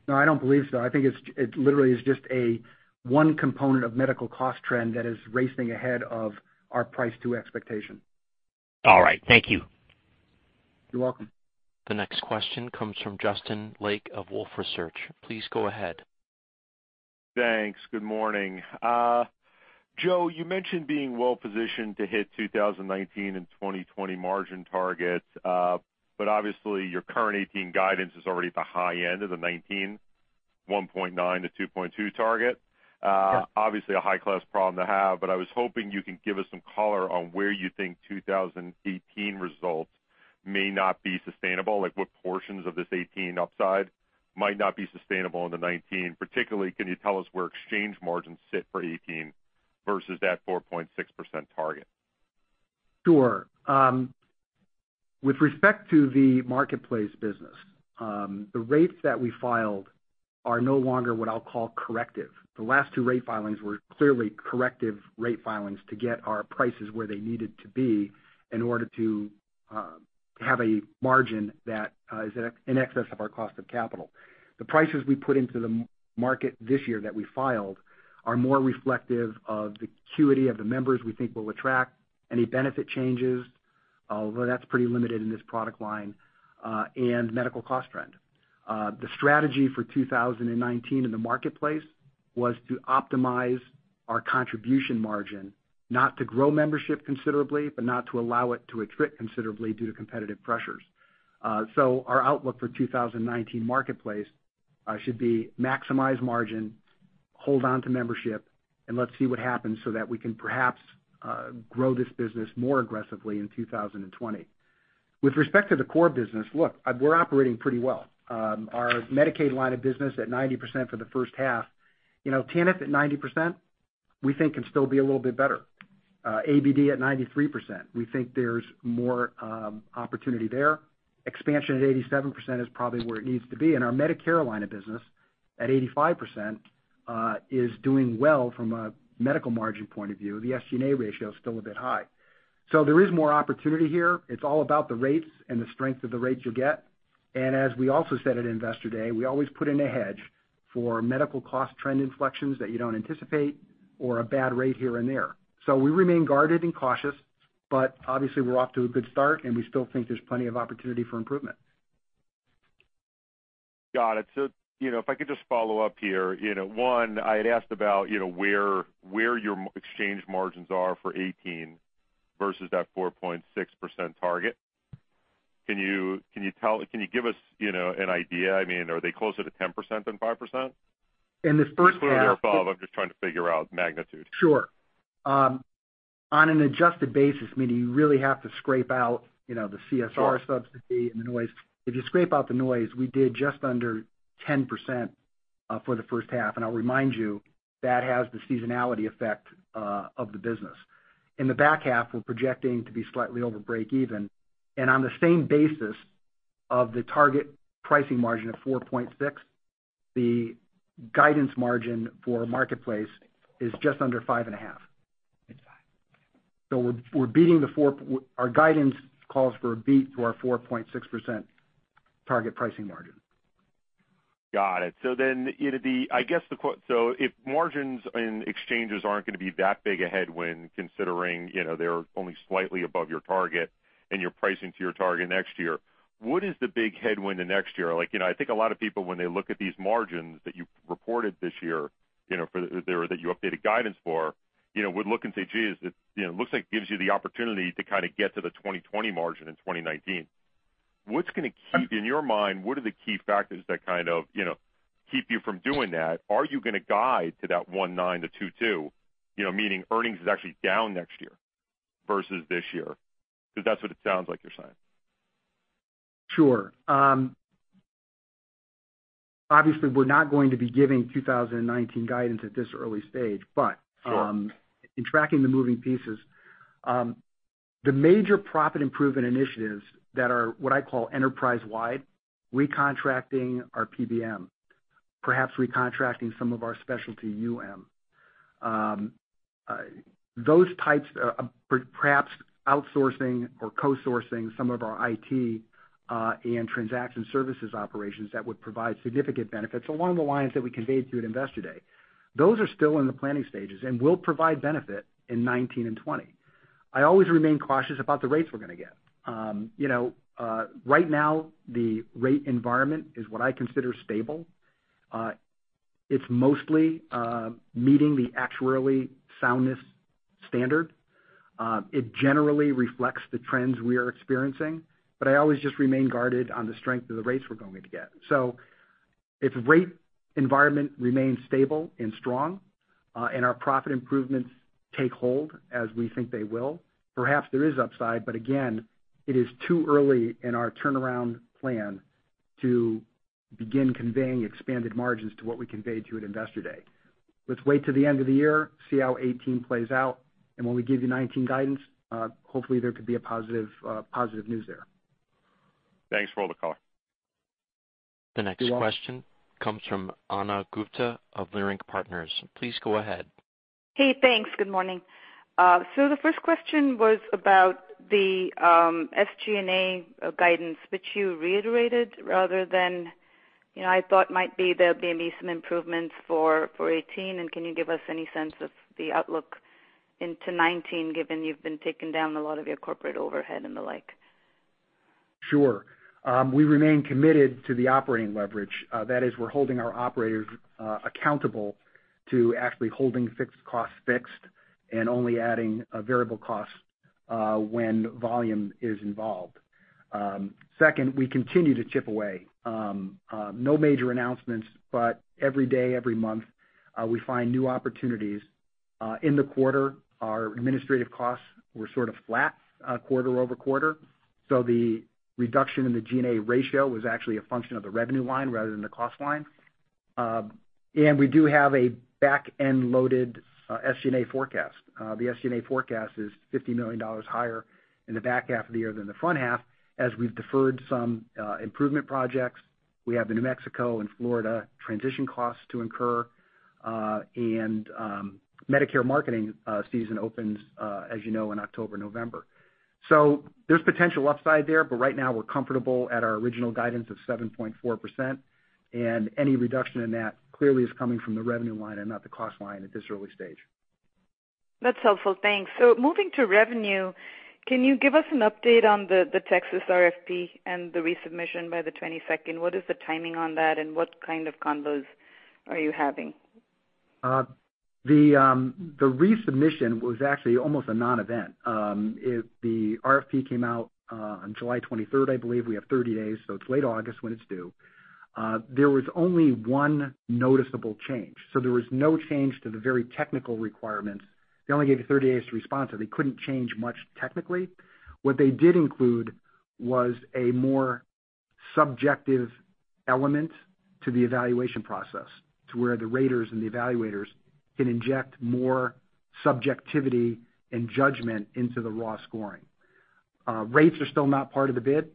Speaker 3: No, I don't believe so. I think it literally is just a one component of medical cost trend that is racing ahead of our price to expectation.
Speaker 6: All right. Thank you.
Speaker 3: You're welcome.
Speaker 1: The next question comes from Justin Lake of Wolfe Research. Please go ahead.
Speaker 7: Thanks. Good morning. Joe, you mentioned being well-positioned to hit 2019 and 2020 margin targets, obviously your current 2018 guidance is already at the high end of the 2019, 1.9%-2.2% target.
Speaker 3: Yeah.
Speaker 7: Obviously a high class problem to have, I was hoping you can give us some color on where you think 2018 results may not be sustainable, like what portions of this 2018 upside might not be sustainable into 2019? Particularly, can you tell us where Marketplace margins sit for 2018 versus that 4.6% target?
Speaker 3: Sure. With respect to the Marketplace business, the rates that we filed are no longer what I'll call corrective. The last two rate filings were clearly corrective rate filings to get our prices where they needed to be in order to have a margin that is in excess of our cost of capital. The prices we put into the market this year that we filed are more reflective of the acuity of the members we think we'll attract, any benefit changes, although that's pretty limited in this product line, and medical cost trend. The strategy for 2019 in the Marketplace was to optimize our contribution margin, not to grow membership considerably, but not to allow it to attrit considerably due to competitive pressures. Our outlook for 2019 Marketplace should be maximize margin, hold onto membership, and let's see what happens so that we can perhaps grow this business more aggressively in 2020. With respect to the core business, look, we're operating pretty well. Our Medicaid line of business at 90% for the first half. TANF at 90%, we think can still be a little bit better. ABD at 93%, we think there's more opportunity there. Expansion at 87% is probably where it needs to be. Our Medicare line of business at 85% is doing well from a medical margin point of view. The SG&A ratio is still a bit high. There is more opportunity here. It's all about the rates and the strength of the rates you get. As we also said at Investor Day, we always put in a hedge for medical cost trend inflections that you don't anticipate or a bad rate here and there. We remain guarded and cautious. Obviously we're off to a good start, and we still think there's plenty of opportunity for improvement.
Speaker 7: Got it. If I could just follow up here. One, I had asked about where your exchange margins are for 2018 versus that 4.6% target. Can you give us an idea? I mean, are they closer to 10% than 5%?
Speaker 3: In the first half-
Speaker 7: Just put it in ballpark, I'm just trying to figure out magnitude.
Speaker 3: Sure. On an adjusted basis, meaning you really have to scrape out the CSR subsidy and the noise. If you scrape out the noise, we did just under 10% for the first half. I'll remind you, that has the seasonality effect of the business. In the back half, we're projecting to be slightly over breakeven. On the same basis of the target pricing margin of 4.6%, the guidance margin for Marketplace is just under 5.5%. Our guidance calls for a beat to our 4.6% target pricing margin.
Speaker 7: Got it. If margins in Marketplace aren't going to be that big a headwind considering they're only slightly above your target and you're pricing to your target next year, what is the big headwind to next year? I think a lot of people, when they look at these margins that you reported this year that you updated guidance for, would look and say, "Gee, it looks like it gives you the opportunity to kind of get to the 2020 margin in 2019." In your mind, what are the key factors that kind of keep you from doing that? Are you going to guide to that 1.9%-2.2%, meaning earnings is actually down next year versus this year? That's what it sounds like you're saying.
Speaker 3: Sure. Obviously, we're not going to be giving 2019 guidance at this early stage.
Speaker 7: Sure
Speaker 3: in tracking the moving pieces, the major profit improvement initiatives that are what I call enterprise-wide, recontracting our PBM, perhaps recontracting some of our specialty UM. Those types, perhaps outsourcing or co-sourcing some of our IT and transaction services operations that would provide significant benefits along the lines that we conveyed to at Investor Day. Those are still in the planning stages and will provide benefit in 2019 and 2020. I always remain cautious about the rates we're going to get. Right now, the rate environment is what I consider stable. It's mostly meeting the actuarial soundness standard. It generally reflects the trends we are experiencing, but I always just remain guarded on the strength of the rates we're going to get. If rate environment remains stable and strong, and our profit improvements take hold as we think they will, perhaps there is upside, but again, it is too early in our turnaround plan to begin conveying expanded margins to what we conveyed to at Investor Day. Let's wait till the end of the year, see how 2018 plays out, and when we give you 2019 guidance, hopefully there could be a positive news there.
Speaker 7: Thanks for all the color.
Speaker 3: You're welcome.
Speaker 1: The next question comes from Ana Gupte of Leerink Partners. Please go ahead.
Speaker 8: Thanks. Good morning. The first question was about the SG&A guidance that you reiterated rather than, I thought might be there'll be some improvements for 2018, and can you give us any sense of the outlook into 2019, given you've been taking down a lot of your corporate overhead and the like?
Speaker 3: Sure. We remain committed to the operating leverage. That is, we're holding our operators accountable to actually holding fixed costs fixed and only adding variable costs when volume is involved. Second, we continue to chip away. No major announcements, but every day, every month, we find new opportunities. In the quarter, our administrative costs were sort of flat quarter-over-quarter. The reduction in the G&A ratio was actually a function of the revenue line rather than the cost line. We do have a back-end loaded SG&A forecast. The SG&A forecast is $50 million higher in the back half of the year than the front half as we've deferred some improvement projects. We have the New Mexico and Florida transition costs to incur, and Medicare marketing season opens, as you know, in October, November. There's potential upside there, but right now we're comfortable at our original guidance of 7.4%, and any reduction in that clearly is coming from the revenue line and not the cost line at this early stage.
Speaker 8: That's helpful. Thanks. Moving to revenue, can you give us an update on the Texas RFP and the resubmission by the 22nd? What is the timing on that, and what kind of convos are you having?
Speaker 3: The resubmission was actually almost a non-event. The RFP came out on July 23rd, I believe. We have 30 days, it's late August when it's due. There was only one noticeable change. There was no change to the very technical requirements. They only gave you 30 days to respond, so they couldn't change much technically. What they did include was a more subjective element to the evaluation process, to where the raters and the evaluators can inject more subjectivity and judgment into the raw scoring. Rates are still not part of the bid.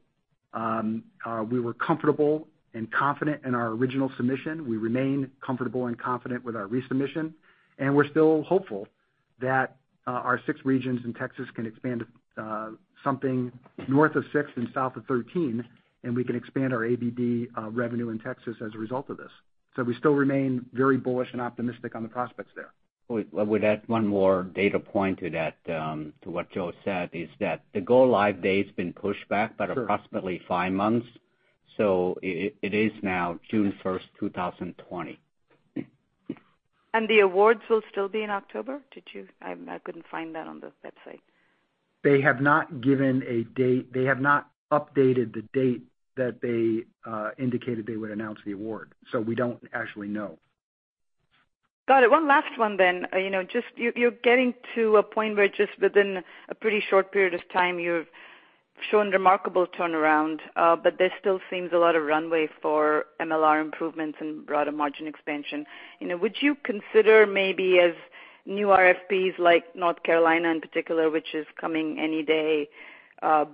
Speaker 3: We were comfortable and confident in our original submission. We remain comfortable and confident with our resubmission, and we're still hopeful that our six regions in Texas can expand to something north of six and south of 13, and we can expand our ABD revenue in Texas as a result of this. We still remain very bullish and optimistic on the prospects there.
Speaker 4: I would add one more data point to what Joe said, is that the go-live date's been pushed back by approximately five months, so it is now June 1st, 2020.
Speaker 8: The awards will still be in October? I couldn't find that on the website.
Speaker 3: They have not updated the date that they indicated they would announce the award, so we don't actually know.
Speaker 8: Got it. One last one. You're getting to a point where just within a pretty short period of time, you've shown remarkable turnaround, there still seems a lot of runway for MLR improvements and broader margin expansion. Would you consider maybe as new RFPs like North Carolina in particular, which is coming any day,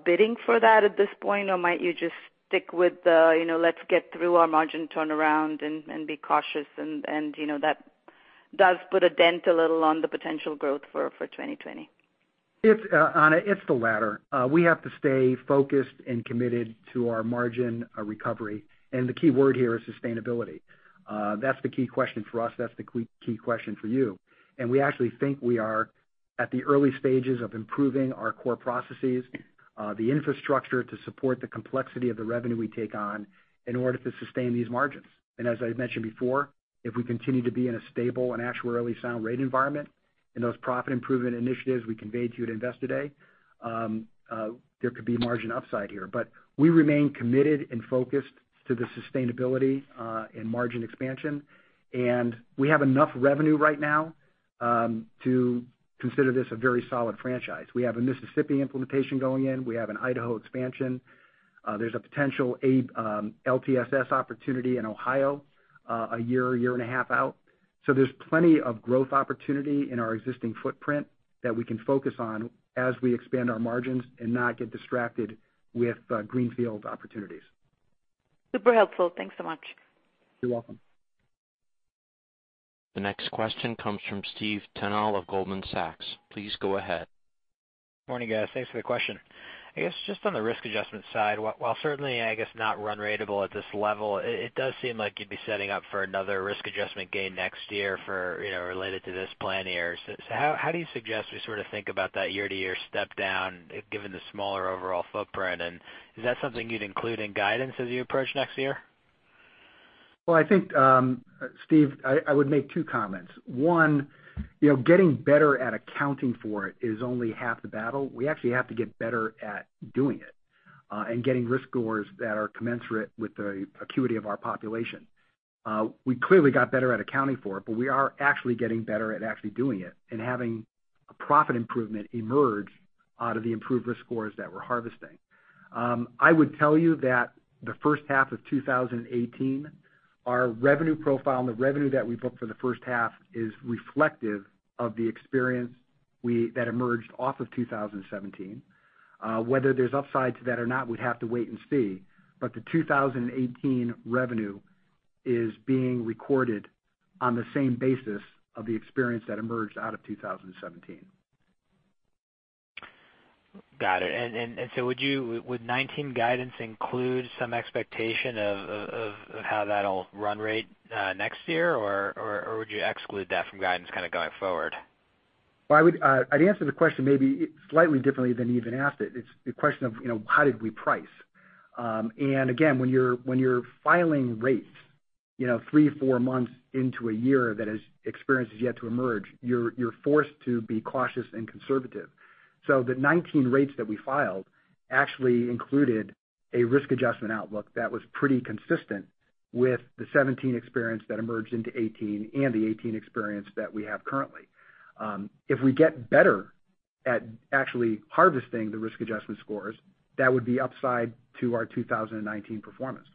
Speaker 8: bidding for that at this point? Might you just stick with the, let's get through our margin turnaround and be cautious, and that does put a dent a little on the potential growth for 2020.
Speaker 3: Ana, it's the latter. We have to stay focused and committed to our margin recovery, and the key word here is sustainability. That's the key question for us. That's the key question for you. We actually think we are at the early stages of improving our core processes, the infrastructure to support the complexity of the revenue we take on in order to sustain these margins. As I mentioned before, if we continue to be in a stable and actuarially sound rate environment, and those profit improvement initiatives we conveyed to you at Investor Day, there could be margin upside here. We remain committed and focused to the sustainability in margin expansion, and we have enough revenue right now to consider this a very solid franchise. We have a Mississippi implementation going in. We have an Idaho expansion. There's a potential LTSS opportunity in Ohio a year and a half out. There's plenty of growth opportunity in our existing footprint that we can focus on as we expand our margins and not get distracted with greenfield opportunities.
Speaker 8: Super helpful. Thanks so much.
Speaker 3: You're welcome.
Speaker 1: The next question comes from Steve Tanal of Goldman Sachs. Please go ahead.
Speaker 9: Morning, guys. Thanks for the question. I guess just on the risk adjustment side, while certainly, I guess, not run ratable at this level, it does seem like you'd be setting up for another risk adjustment gain next year related to this plan year. How do you suggest we sort of think about that year-to-year step down given the smaller overall footprint? Is that something you'd include in guidance as you approach next year?
Speaker 3: Well, I think, Steve Tanal, I would make two comments. One, getting better at accounting for it is only half the battle. We actually have to get better at doing it, and getting risk scores that are commensurate with the acuity of our population. We clearly got better at accounting for it, but we are actually getting better at actually doing it and having a profit improvement emerge out of the improved risk scores that we're harvesting. I would tell you that the first half of 2018, our revenue profile and the revenue that we booked for the first half is reflective of the experience that emerged off of 2017. Whether there's upside to that or not, we'd have to wait and see. The 2018 revenue is being recorded on the same basis of the experience that emerged out of 2017.
Speaker 9: Got it. Would 2019 guidance include some expectation of how that'll run rate next year? Or would you exclude that from guidance kind of going forward?
Speaker 3: I'd answer the question maybe slightly differently than you even asked it. It's a question of how did we price? Again, when you're filing rates three, four months into a year that experience has yet to emerge, you're forced to be cautious and conservative. The 2019 rates that we filed actually included a risk adjustment outlook that was pretty consistent with the 2017 experience that emerged into 2018 and the 2018 experience that we have currently. If we get better at actually harvesting the risk adjustment scores, that would be upside to our 2019 performance.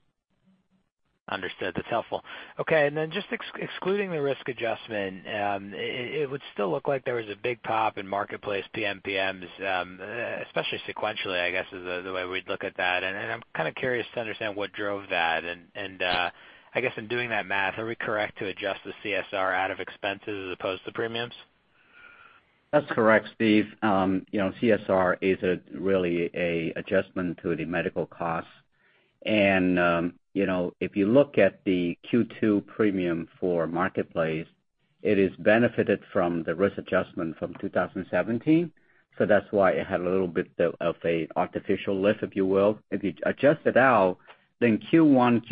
Speaker 9: Understood. That's helpful. Okay, just excluding the risk adjustment, it would still look like there was a big pop in Marketplace PMPMs, especially sequentially, I guess, is the way we'd look at that. I'm kind of curious to understand what drove that. I guess in doing that math, are we correct to adjust the CSR out of expenses as opposed to premiums?
Speaker 4: That's correct, Steve. CSR is really an adjustment to the medical costs. If you look at the Q2 premium for Marketplace, it has benefited from the risk adjustment from 2017. That's why it had a little bit of an artificial lift, if you will. If you adjust it out, Q1,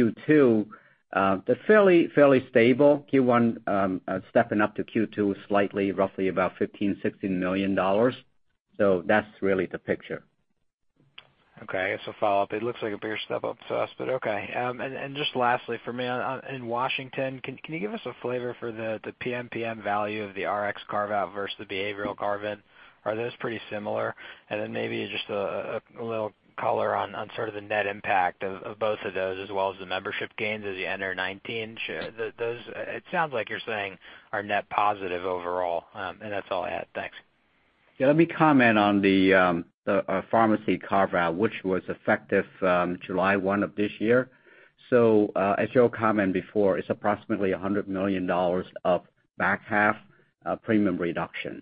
Speaker 4: Q2, they're fairly stable. Q1 stepping up to Q2 slightly, roughly about $15 million-$16 million. That's really the picture.
Speaker 9: Okay. I guess I'll follow up. It looks like a bigger step up to us, but okay. Just lastly for me, in Washington, can you give us a flavor for the PMPM value of the Rx carve-out versus the behavioral carve-in? Are those pretty similar? Maybe just a little color on sort of the net impact of both of those, as well as the membership gains as you enter 2019. It sounds like you're saying are net positive overall. That's all I had. Thanks.
Speaker 4: Yeah. Let me comment on the pharmacy carve-out, which was effective July 1 of this year. As Joe commented before, it's approximately $100 million of back half premium reduction.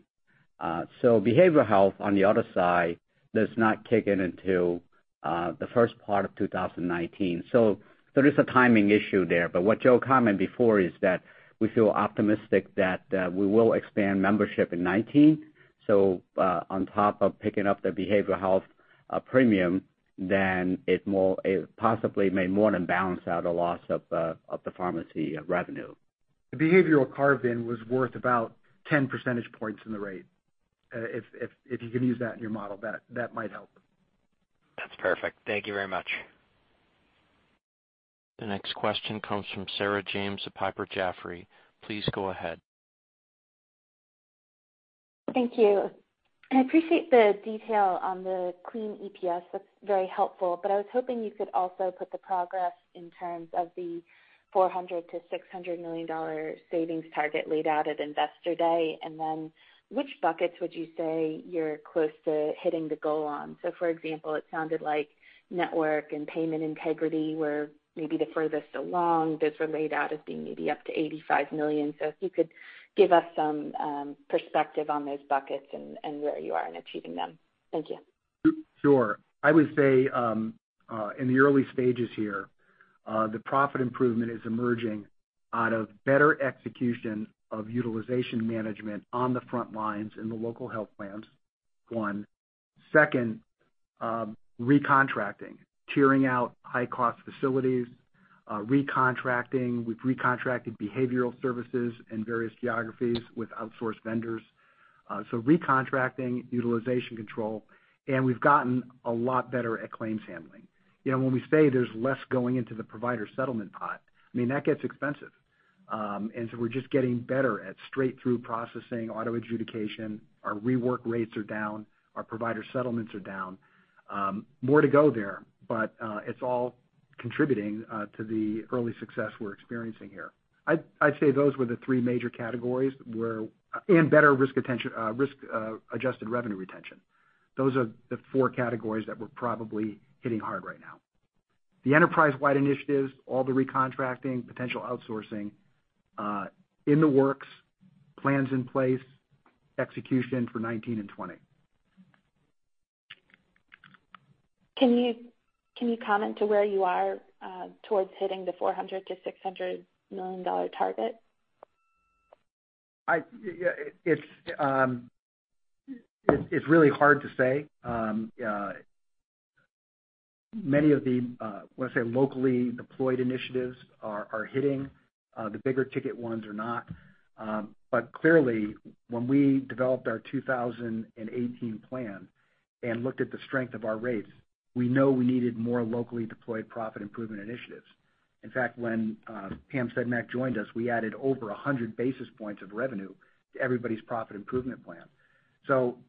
Speaker 4: Behavioral health on the other side does not kick in until the first part of 2019. There is a timing issue there. What Joe commented before is that we feel optimistic that we will expand membership in 2019. On top of picking up the behavioral health premium, it possibly may more than balance out a loss of the pharmacy revenue.
Speaker 3: The behavioral carve-in was worth about 10 percentage points in the rate. If you can use that in your model, that might help.
Speaker 9: That's perfect. Thank you very much.
Speaker 1: The next question comes from Sarah James of Piper Jaffray. Please go ahead.
Speaker 10: Thank you. I appreciate the detail on the clean EPS. That's very helpful. I was hoping you could also put the progress in terms of the $400 million to $600 million savings target laid out at Investor Day. Which buckets would you say you're close to hitting the goal on? For example, it sounded like network and payment integrity were maybe the furthest along. Those were laid out as being maybe up to $85 million. If you could give us some perspective on those buckets and where you are in achieving them. Thank you.
Speaker 3: Sure. I would say, in the early stages here, the profit improvement is emerging out of better execution of utilization management on the front lines in the local health plans, one. Second, recontracting. Tiering out high-cost facilities, recontracting. We've recontracted behavioral services in various geographies with outsourced vendors. Recontracting, utilization control, and we've gotten a lot better at claims handling. When we say there's less going into the provider settlement pot, I mean, that gets expensive. We're just getting better at straight-through processing, auto adjudication. Our rework rates are down. Our provider settlements are down. More to go there, it's all contributing to the early success we're experiencing here. I'd say those were the three major categories and better risk-adjusted revenue retention. Those are the four categories that we're probably hitting hard right now. The enterprise-wide initiatives, all the recontracting, potential outsourcing, in the works, plans in place, execution for 2019 and 2020.
Speaker 10: Can you comment to where you are towards hitting the $400 million-$600 million target?
Speaker 3: It's really hard to say. Many of the, I want to say, locally deployed initiatives are hitting. The bigger ticket ones are not. Clearly, when we developed our 2018 plan and looked at the strength of our rates, we know we needed more locally deployed profit improvement initiatives. In fact, when Pamela Sedmak joined us, we added over 100 basis points of revenue to everybody's profit improvement plan.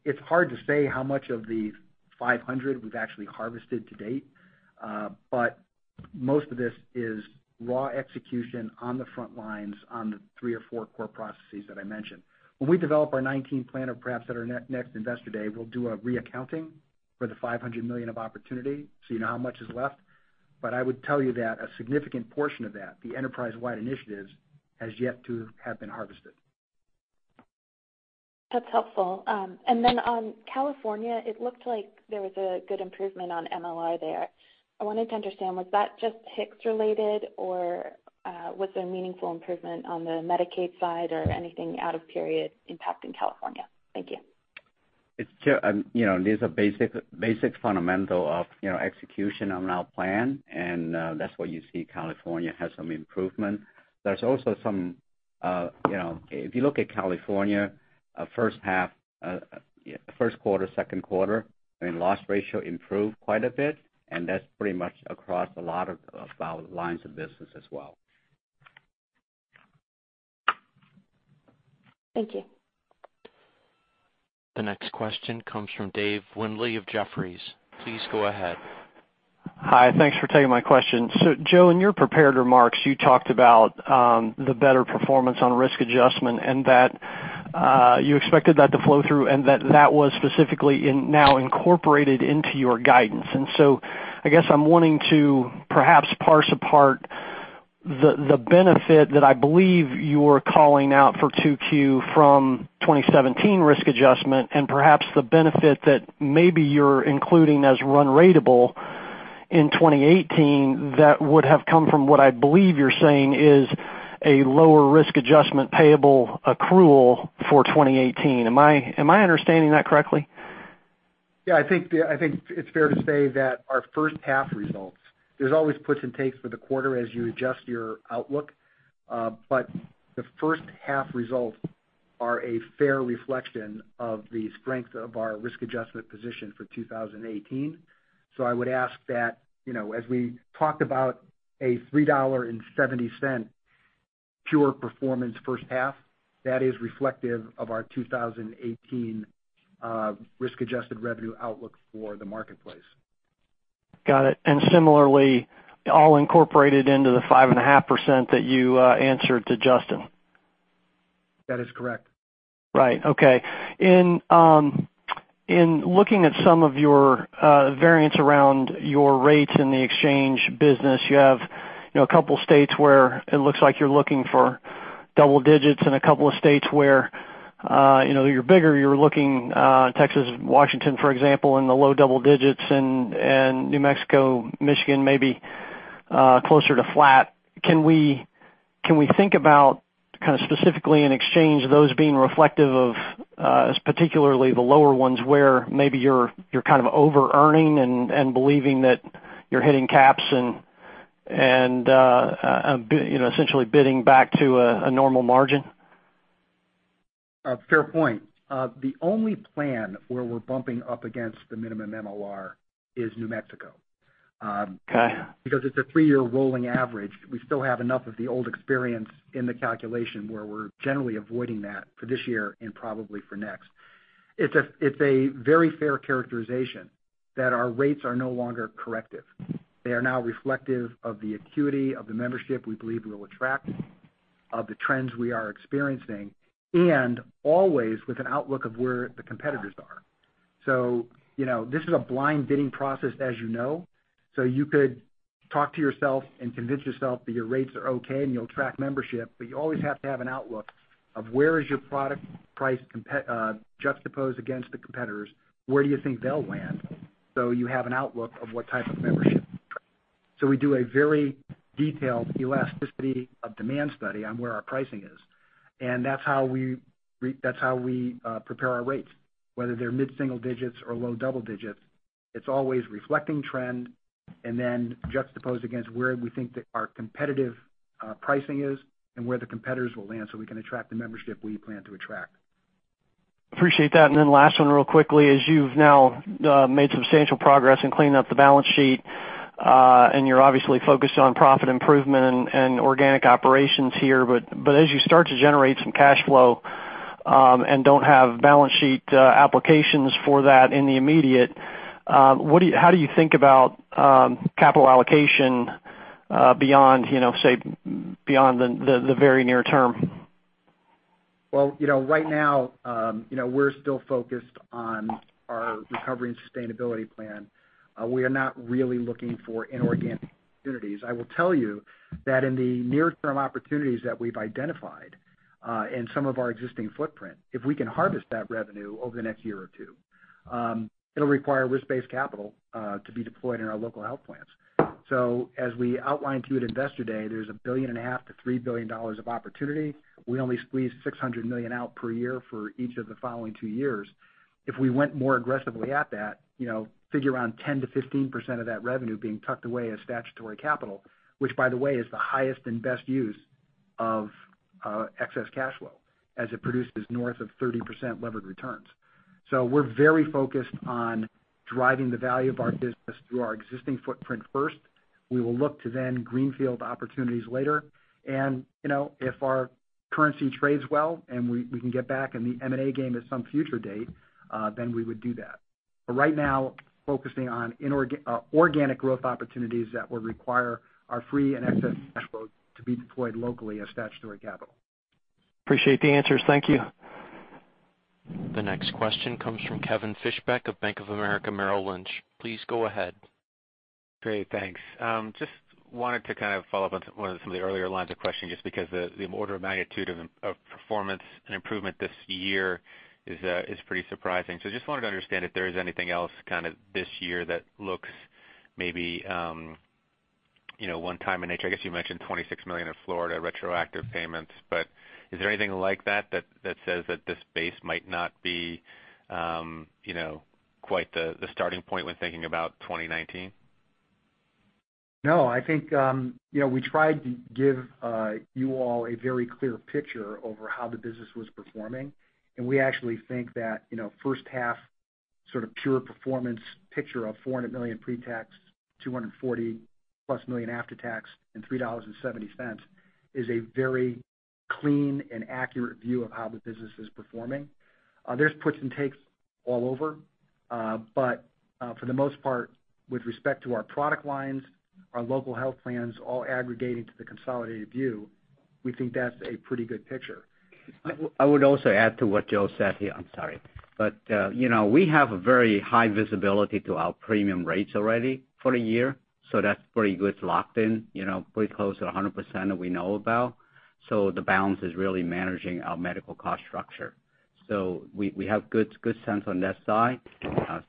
Speaker 3: It's hard to say how much of the $500 million we've actually harvested to date. Most of this is raw execution on the front lines on the three or four core processes that I mentioned. When we develop our 2019 plan, or perhaps at our next Investor Day, we'll do a reaccounting for the $500 million of opportunity so you know how much is left. I would tell you that a significant portion of that, the enterprise-wide initiatives, has yet to have been harvested.
Speaker 10: That's helpful. On California, it looked like there was a good improvement on MLR there. I wanted to understand, was that just HIX related, or was there meaningful improvement on the Medicaid side or anything out of period impacting California? Thank you.
Speaker 4: These are basic fundamental of execution on our plan, that's why you see California has some improvement. If you look at California, first quarter, second quarter, loss ratio improved quite a bit, that's pretty much across a lot of our lines of business as well.
Speaker 10: Thank you.
Speaker 1: The next question comes from Dave Windley of Jefferies. Please go ahead.
Speaker 11: Hi. Thanks for taking my question. Joe, in your prepared remarks, you talked about the better performance on risk adjustment and that you expected that to flow through and that that was specifically now incorporated into your guidance. I guess I'm wanting to perhaps parse apart the benefit that I believe you're calling out for 2Q from 2017 risk adjustment and perhaps the benefit that maybe you're including as run ratable in 2018 that would have come from what I believe you're saying is a lower risk adjustment payable accrual for 2018. Am I understanding that correctly?
Speaker 3: Yeah, I think it's fair to say that our first half results, there's always puts and takes for the quarter as you adjust your outlook, but the first half results are a fair reflection of the strength of our risk adjustment position for 2018. I would ask that, as we talked about a $3.70 pure performance first half, that is reflective of our 2018 risk-adjusted revenue outlook for the Marketplace.
Speaker 11: Got it. Similarly, all incorporated into the 5.5% that you answered to Justin.
Speaker 3: That is correct.
Speaker 11: Right. Okay. In looking at some of your variance around your rates in the exchange business, you have a couple of states where it looks like you're looking for double digits in a couple of states where you're bigger, you're looking, Texas, Washington, for example, in the low double digits, and New Mexico, Michigan, maybe closer to flat. Can we think about kind of specifically in exchange, those being reflective of, particularly the lower ones, where maybe you're kind of over-earning and believing that you're hitting caps and essentially bidding back to a normal margin?
Speaker 3: Fair point. The only plan where we're bumping up against the minimum MLR is New Mexico.
Speaker 11: Okay.
Speaker 3: It's a three-year rolling average, we still have enough of the old experience in the calculation where we're generally avoiding that for this year and probably for next. It's a very fair characterization that our rates are no longer corrective. They are now reflective of the acuity of the membership we believe we'll attract, of the trends we are experiencing, and always with an outlook of where the competitors are. This is a blind bidding process, as you know, you could talk to yourself and convince yourself that your rates are okay and you'll track membership, but you always have to have an outlook of where is your product price juxtaposed against the competitors. Where do you think they'll land? You have an outlook of what type of membership. We do a very detailed elasticity of demand study on where our pricing is. That's how we prepare our rates, whether they're mid-single digits or low double digits. It's always reflecting trend, and then juxtaposed against where we think that our competitive pricing is and where the competitors will land so we can attract the membership we plan to attract.
Speaker 11: Appreciate that. Last one real quickly, as you've now made substantial progress in cleaning up the balance sheet, you're obviously focused on profit improvement and organic operations here, as you start to generate some cash flow, don't have balance sheet applications for that in the immediate, how do you think about capital allocation beyond, say, the very near term?
Speaker 3: Well, right now, we're still focused on our recovery and sustainability plan. We are not really looking for inorganic opportunities. I will tell you that in the near-term opportunities that we've identified in some of our existing footprint, if we can harvest that revenue over the next year or two, it'll require risk-based capital to be deployed in our local health plans. As we outlined to you at Investor Day, there's a billion and a half to $3 billion of opportunity. We only squeeze $600 million out per year for each of the following two years. If we went more aggressively at that, figure around 10%-15% of that revenue being tucked away as statutory capital, which by the way, is the highest and best use of excess cash flow as it produces north of 30% levered returns. We're very focused on driving the value of our business through our existing footprint first. We will look to then greenfield opportunities later. If our currency trades well and we can get back in the M&A game at some future date, we would do that. Right now, focusing on organic growth opportunities that will require our free and excess cash flow to be deployed locally as statutory capital.
Speaker 11: Appreciate the answers. Thank you.
Speaker 1: The next question comes from Kevin Fischbeck of Bank of America Merrill Lynch. Please go ahead.
Speaker 12: Great. Thanks. Just wanted to kind of follow up on some of the earlier lines of questioning, just because the order of magnitude of performance and improvement this year is pretty surprising. Just wanted to understand if there is anything else kind of this year that looks maybe one-time in nature. I guess you mentioned $26 million in Florida retroactive payments, is there anything like that that says that this base might not be quite the starting point when thinking about 2019?
Speaker 3: No. I think we tried to give you all a very clear picture over how the business was performing. We actually think that first half sort of pure performance picture of $400 million pre-tax, $240-plus million after-tax, and $3.70 is a very clean and accurate view of how the business is performing. There's puts and takes all over. For the most part, with respect to our product lines, our local health plans all aggregating to the consolidated view, we think that's a pretty good picture.
Speaker 4: I would also add to what Joe said here. I'm sorry. We have a very high visibility to our premium rates already for the year, so that's pretty good. It's locked in pretty close to 100% that we know about. The balance is really managing our medical cost structure. We have good sense on that side.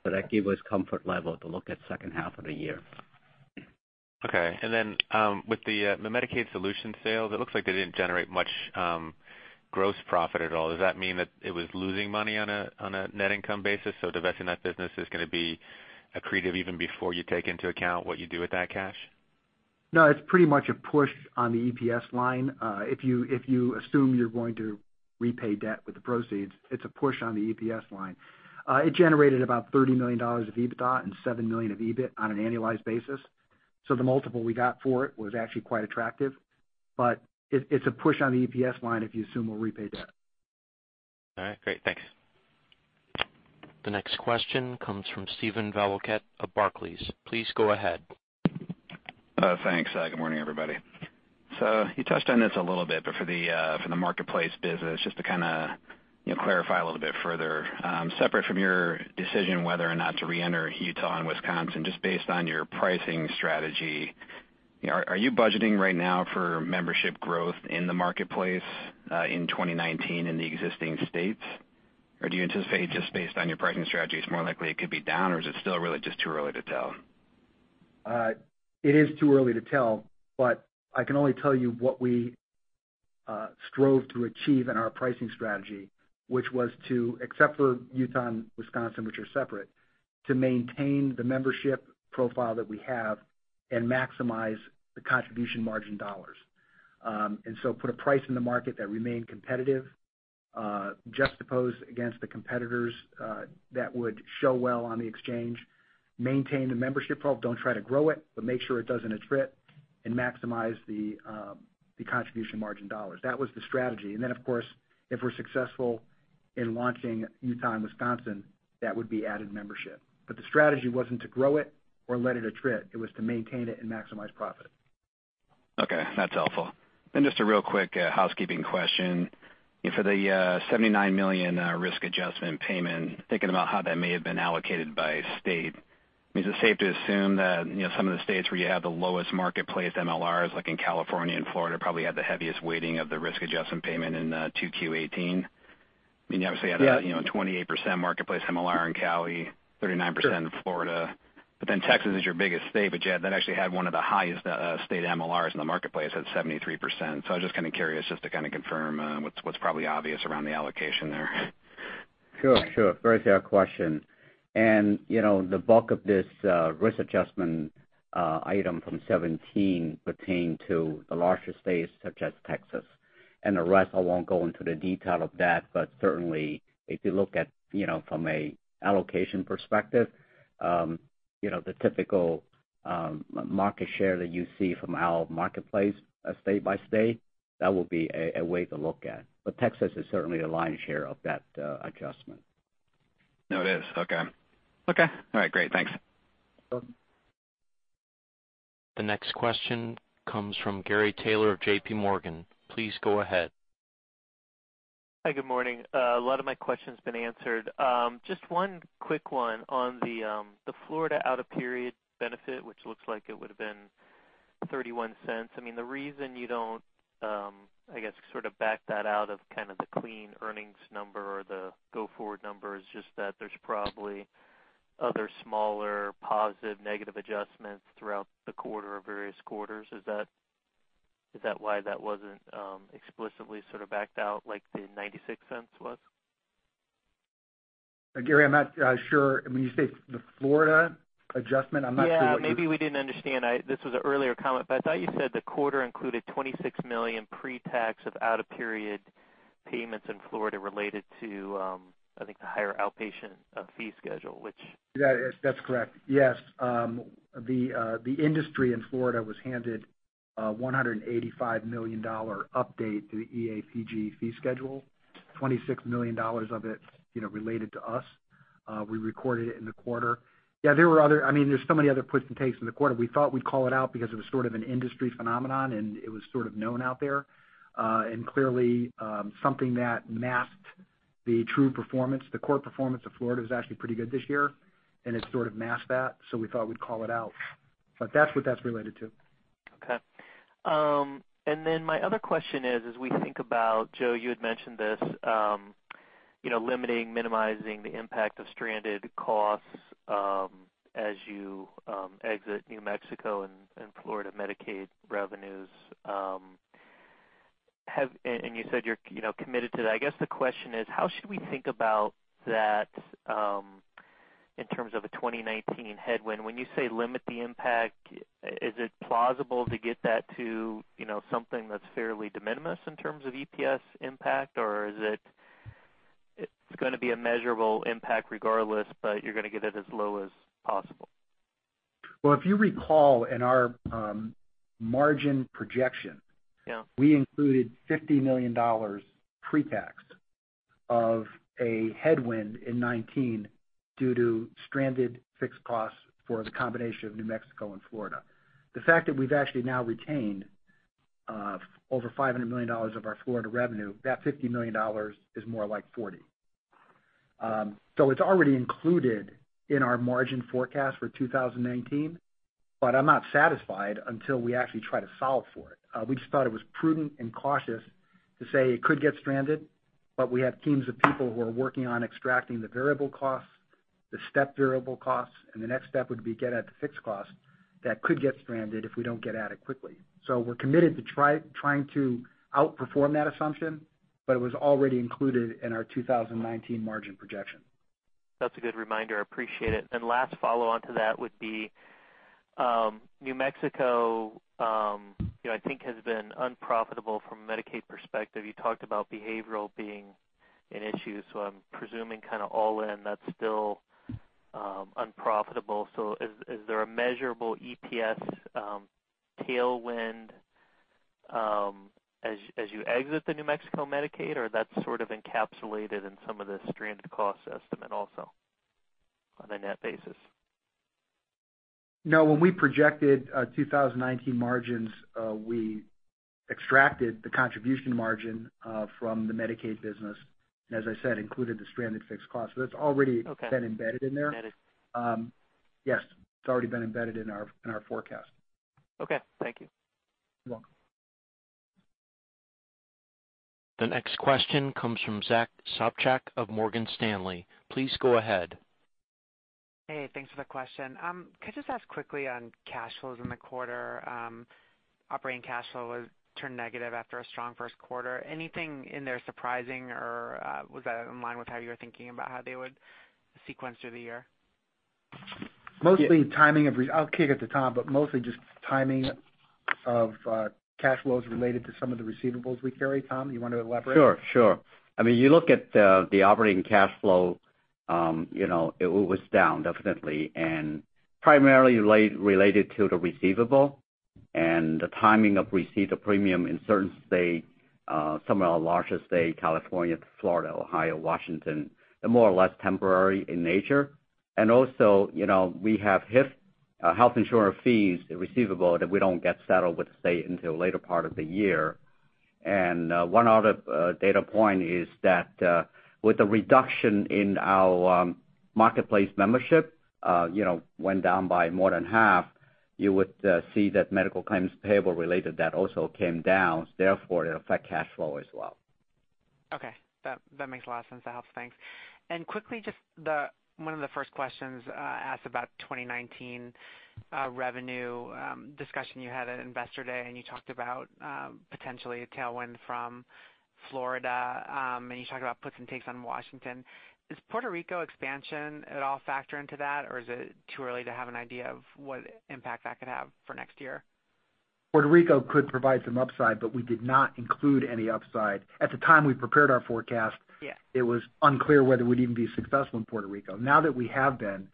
Speaker 4: That give us comfort level to look at second half of the year.
Speaker 12: Okay. Then with the Medicaid solution sales, it looks like they didn't generate much gross profit at all. Does that mean that it was losing money on a net income basis, divesting that business is going to be accretive even before you take into account what you do with that cash?
Speaker 3: No, it's pretty much a push on the EPS line. If you assume you're going to repay debt with the proceeds, it's a push on the EPS line. It generated about $30 million of EBITDA and $7 million of EBIT on an annualized basis. The multiple we got for it was actually quite attractive. It's a push on the EPS line if you assume we'll repay debt.
Speaker 12: All right. Great. Thanks.
Speaker 1: The next question comes from Steven Valiquette of Barclays. Please go ahead.
Speaker 13: Thanks. Good morning, everybody. You touched on this a little bit, for the Marketplace business, just to clarify a little bit further. Separate from your decision whether or not to re-enter Utah and Wisconsin, just based on your pricing strategy, are you budgeting right now for membership growth in the Marketplace, in 2019 in the existing states? Do you anticipate, just based on your pricing strategies, more likely it could be down, or is it still really just too early to tell?
Speaker 3: It is too early to tell, I can only tell you what we strove to achieve in our pricing strategy, which was to, except for Utah and Wisconsin, which are separate, to maintain the membership profile that we have and maximize the contribution margin dollars. Put a price in the market that remained competitive, juxtaposed against the competitors, that would show well on the Exchange, maintain the membership profile, don't try to grow it, make sure it doesn't attrit, and maximize the contribution margin dollars. That was the strategy. Of course, if we're successful in launching Utah and Wisconsin, that would be added membership. The strategy wasn't to grow it or let it attrit. It was to maintain it and maximize profit.
Speaker 13: Okay, that's helpful. Just a real quick housekeeping question. For the $79 million risk adjustment payment, thinking about how that may have been allocated by state, is it safe to assume that, some of the states where you have the lowest Marketplace MLRs, like in California and Florida, probably had the heaviest weighting of the risk adjustment payment in 2Q18? You obviously had a-
Speaker 3: Yeah
Speaker 13: 28% Marketplace MLR in Cali, 39% in Florida. Texas is your biggest state, yet that actually had one of the highest state MLRs in the Marketplace at 73%. I was just kind of curious, just to kind of confirm what's probably obvious around the allocation there.
Speaker 4: Sure. Very fair question. The bulk of this risk adjustment item from 2017 pertained to the larger states such as Texas. The rest, I won't go into the detail of that, but certainly if you look at from an allocation perspective, the typical market share that you see from our Marketplace state by state, that will be a way to look at it. But Texas is certainly the lion's share of that adjustment.
Speaker 13: No, it is. Okay. All right, great. Thanks.
Speaker 4: Welcome.
Speaker 1: The next question comes from Gary Taylor of J.P. Morgan. Please go ahead.
Speaker 14: Hi, good morning. A lot of my question's been answered. Just one quick one on the Florida out-of-period benefit, which looks like it would've been $0.31. The reason you don't, I guess, sort of back that out of kind of the clean earnings number or the go-forward number is just that there's probably other smaller positive, negative adjustments throughout the quarter or various quarters. Is that why that wasn't explicitly sort of backed out, like the $0.96 was?
Speaker 3: Gary, I'm not sure. When you say the Florida adjustment, I'm not familiar-
Speaker 14: Yeah, maybe we didn't understand. This was an earlier comment, but I thought you said the quarter included $26 million pre-tax of out-of-period payments in Florida related to, I think, the higher outpatient fee schedule, which-
Speaker 3: That's correct. Yes. The industry in Florida was handed a $185 million update to the EAPG fee schedule, $26 million of it related to us. We recorded it in the quarter. Yeah, there's so many other puts and takes in the quarter. We thought we'd call it out because it was sort of an industry phenomenon, and it was sort of known out there. Clearly, something that masked the true performance. The core performance of Florida was actually pretty good this year, and it sort of masked that, so we thought we'd call it out. That's what that's related to.
Speaker 14: Okay. Then my other question is: as we think about, Joe, you had mentioned this, limiting, minimizing the impact of stranded costs as you exit New Mexico and Florida Medicaid revenues. You said you're committed to that. I guess the question is: how should we think about that in terms of a 2019 headwind? When you say limit the impact, is it plausible to get that to something that's fairly de minimis in terms of EPS impact, or is it going to be a measurable impact regardless, you're going to get it as low as possible?
Speaker 3: Well, if you recall in our margin projection-
Speaker 14: Yeah
Speaker 3: We included $50 million pre-tax of a headwind in 2019 due to stranded fixed costs for the combination of New Mexico and Florida. The fact that we've actually now retained over $500 million of our Florida revenue, that $50 million is more like $40. It's already included in our margin forecast for 2019, but I'm not satisfied until we actually try to solve for it. We just thought it was prudent and cautious to say it could get stranded, but we have teams of people who are working on extracting the variable costs, the step variable costs, and the next step would be get at the fixed costs that could get stranded if we don't get at it quickly. We're committed to trying to outperform that assumption, but it was already included in our 2019 margin projection.
Speaker 14: That's a good reminder, I appreciate it. Last follow-on to that would be, New Mexico, I think has been unprofitable from a Medicaid perspective. You talked about behavioral being an issue, so I'm presuming kind of all in, that's still unprofitable. Is there a measurable EPS tailwind as you exit the New Mexico Medicaid, or that's sort of encapsulated in some of the stranded cost estimate also on a net basis?
Speaker 3: No, when we projected 2019 margins, we extracted the contribution margin from the Medicaid business, and as I said, included the stranded fixed cost. That's already-
Speaker 14: Okay
Speaker 3: It has been embedded in there.
Speaker 14: Got it.
Speaker 3: Yes. It's already been embedded in our forecast.
Speaker 14: Okay. Thank you.
Speaker 3: You're welcome.
Speaker 1: The next question comes from Zachary Sopcak of Morgan Stanley. Please go ahead.
Speaker 15: Hey, thanks for the question. Could I just ask quickly on cash flows in the quarter? Operating cash flow has turned negative after a strong first quarter. Anything in there surprising or was that in line with how you were thinking about how they would sequence through the year?
Speaker 3: I'll kick it to Tom, but mostly just timing of cash flows related to some of the receivables we carry. Tom, you want to elaborate?
Speaker 4: Sure. You look at the operating cash flow, it was down definitely, primarily related to the receivable and the timing of receipt of premium in certain states, some of our larger states, California, Florida, Ohio, Washington, they're more or less temporary in nature. Also, we have HIF, health insurer fees, receivable that we don't get settled with the state until later part of the year. One other data point is that with the reduction in our Marketplace membership went down by more than half, you would see that medical claims payable related that also came down, therefore, it affect cash flow as well.
Speaker 15: Okay. That makes a lot of sense. That helps. Thanks. Quickly, just one of the first questions asked about 2019 revenue, discussion you had at Investor Day, you talked about potentially a tailwind from Florida, you talked about puts and takes on Washington. Does Puerto Rico expansion at all factor into that, or is it too early to have an idea of what impact that could have for next year?
Speaker 3: Puerto Rico could provide some upside, but we did not include any upside. At the time we prepared our forecast-
Speaker 15: Yeah
Speaker 3: it was unclear whether it would even be successful in Puerto Rico. Now that we have been,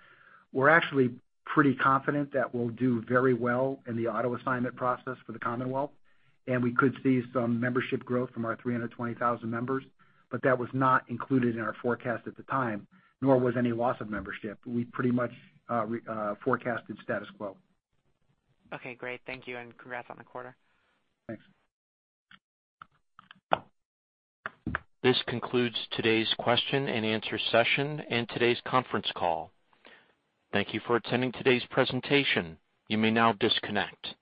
Speaker 3: we're actually pretty confident that we'll do very well in the auto assignment process for the Commonwealth, and we could see some membership growth from our 320,000 members. That was not included in our forecast at the time, nor was any loss of membership. We pretty much forecasted status quo.
Speaker 15: Okay, great. Thank you. Congrats on the quarter.
Speaker 3: Thanks.
Speaker 1: This concludes today's question and answer session and today's conference call. Thank you for attending today's presentation. You may now disconnect.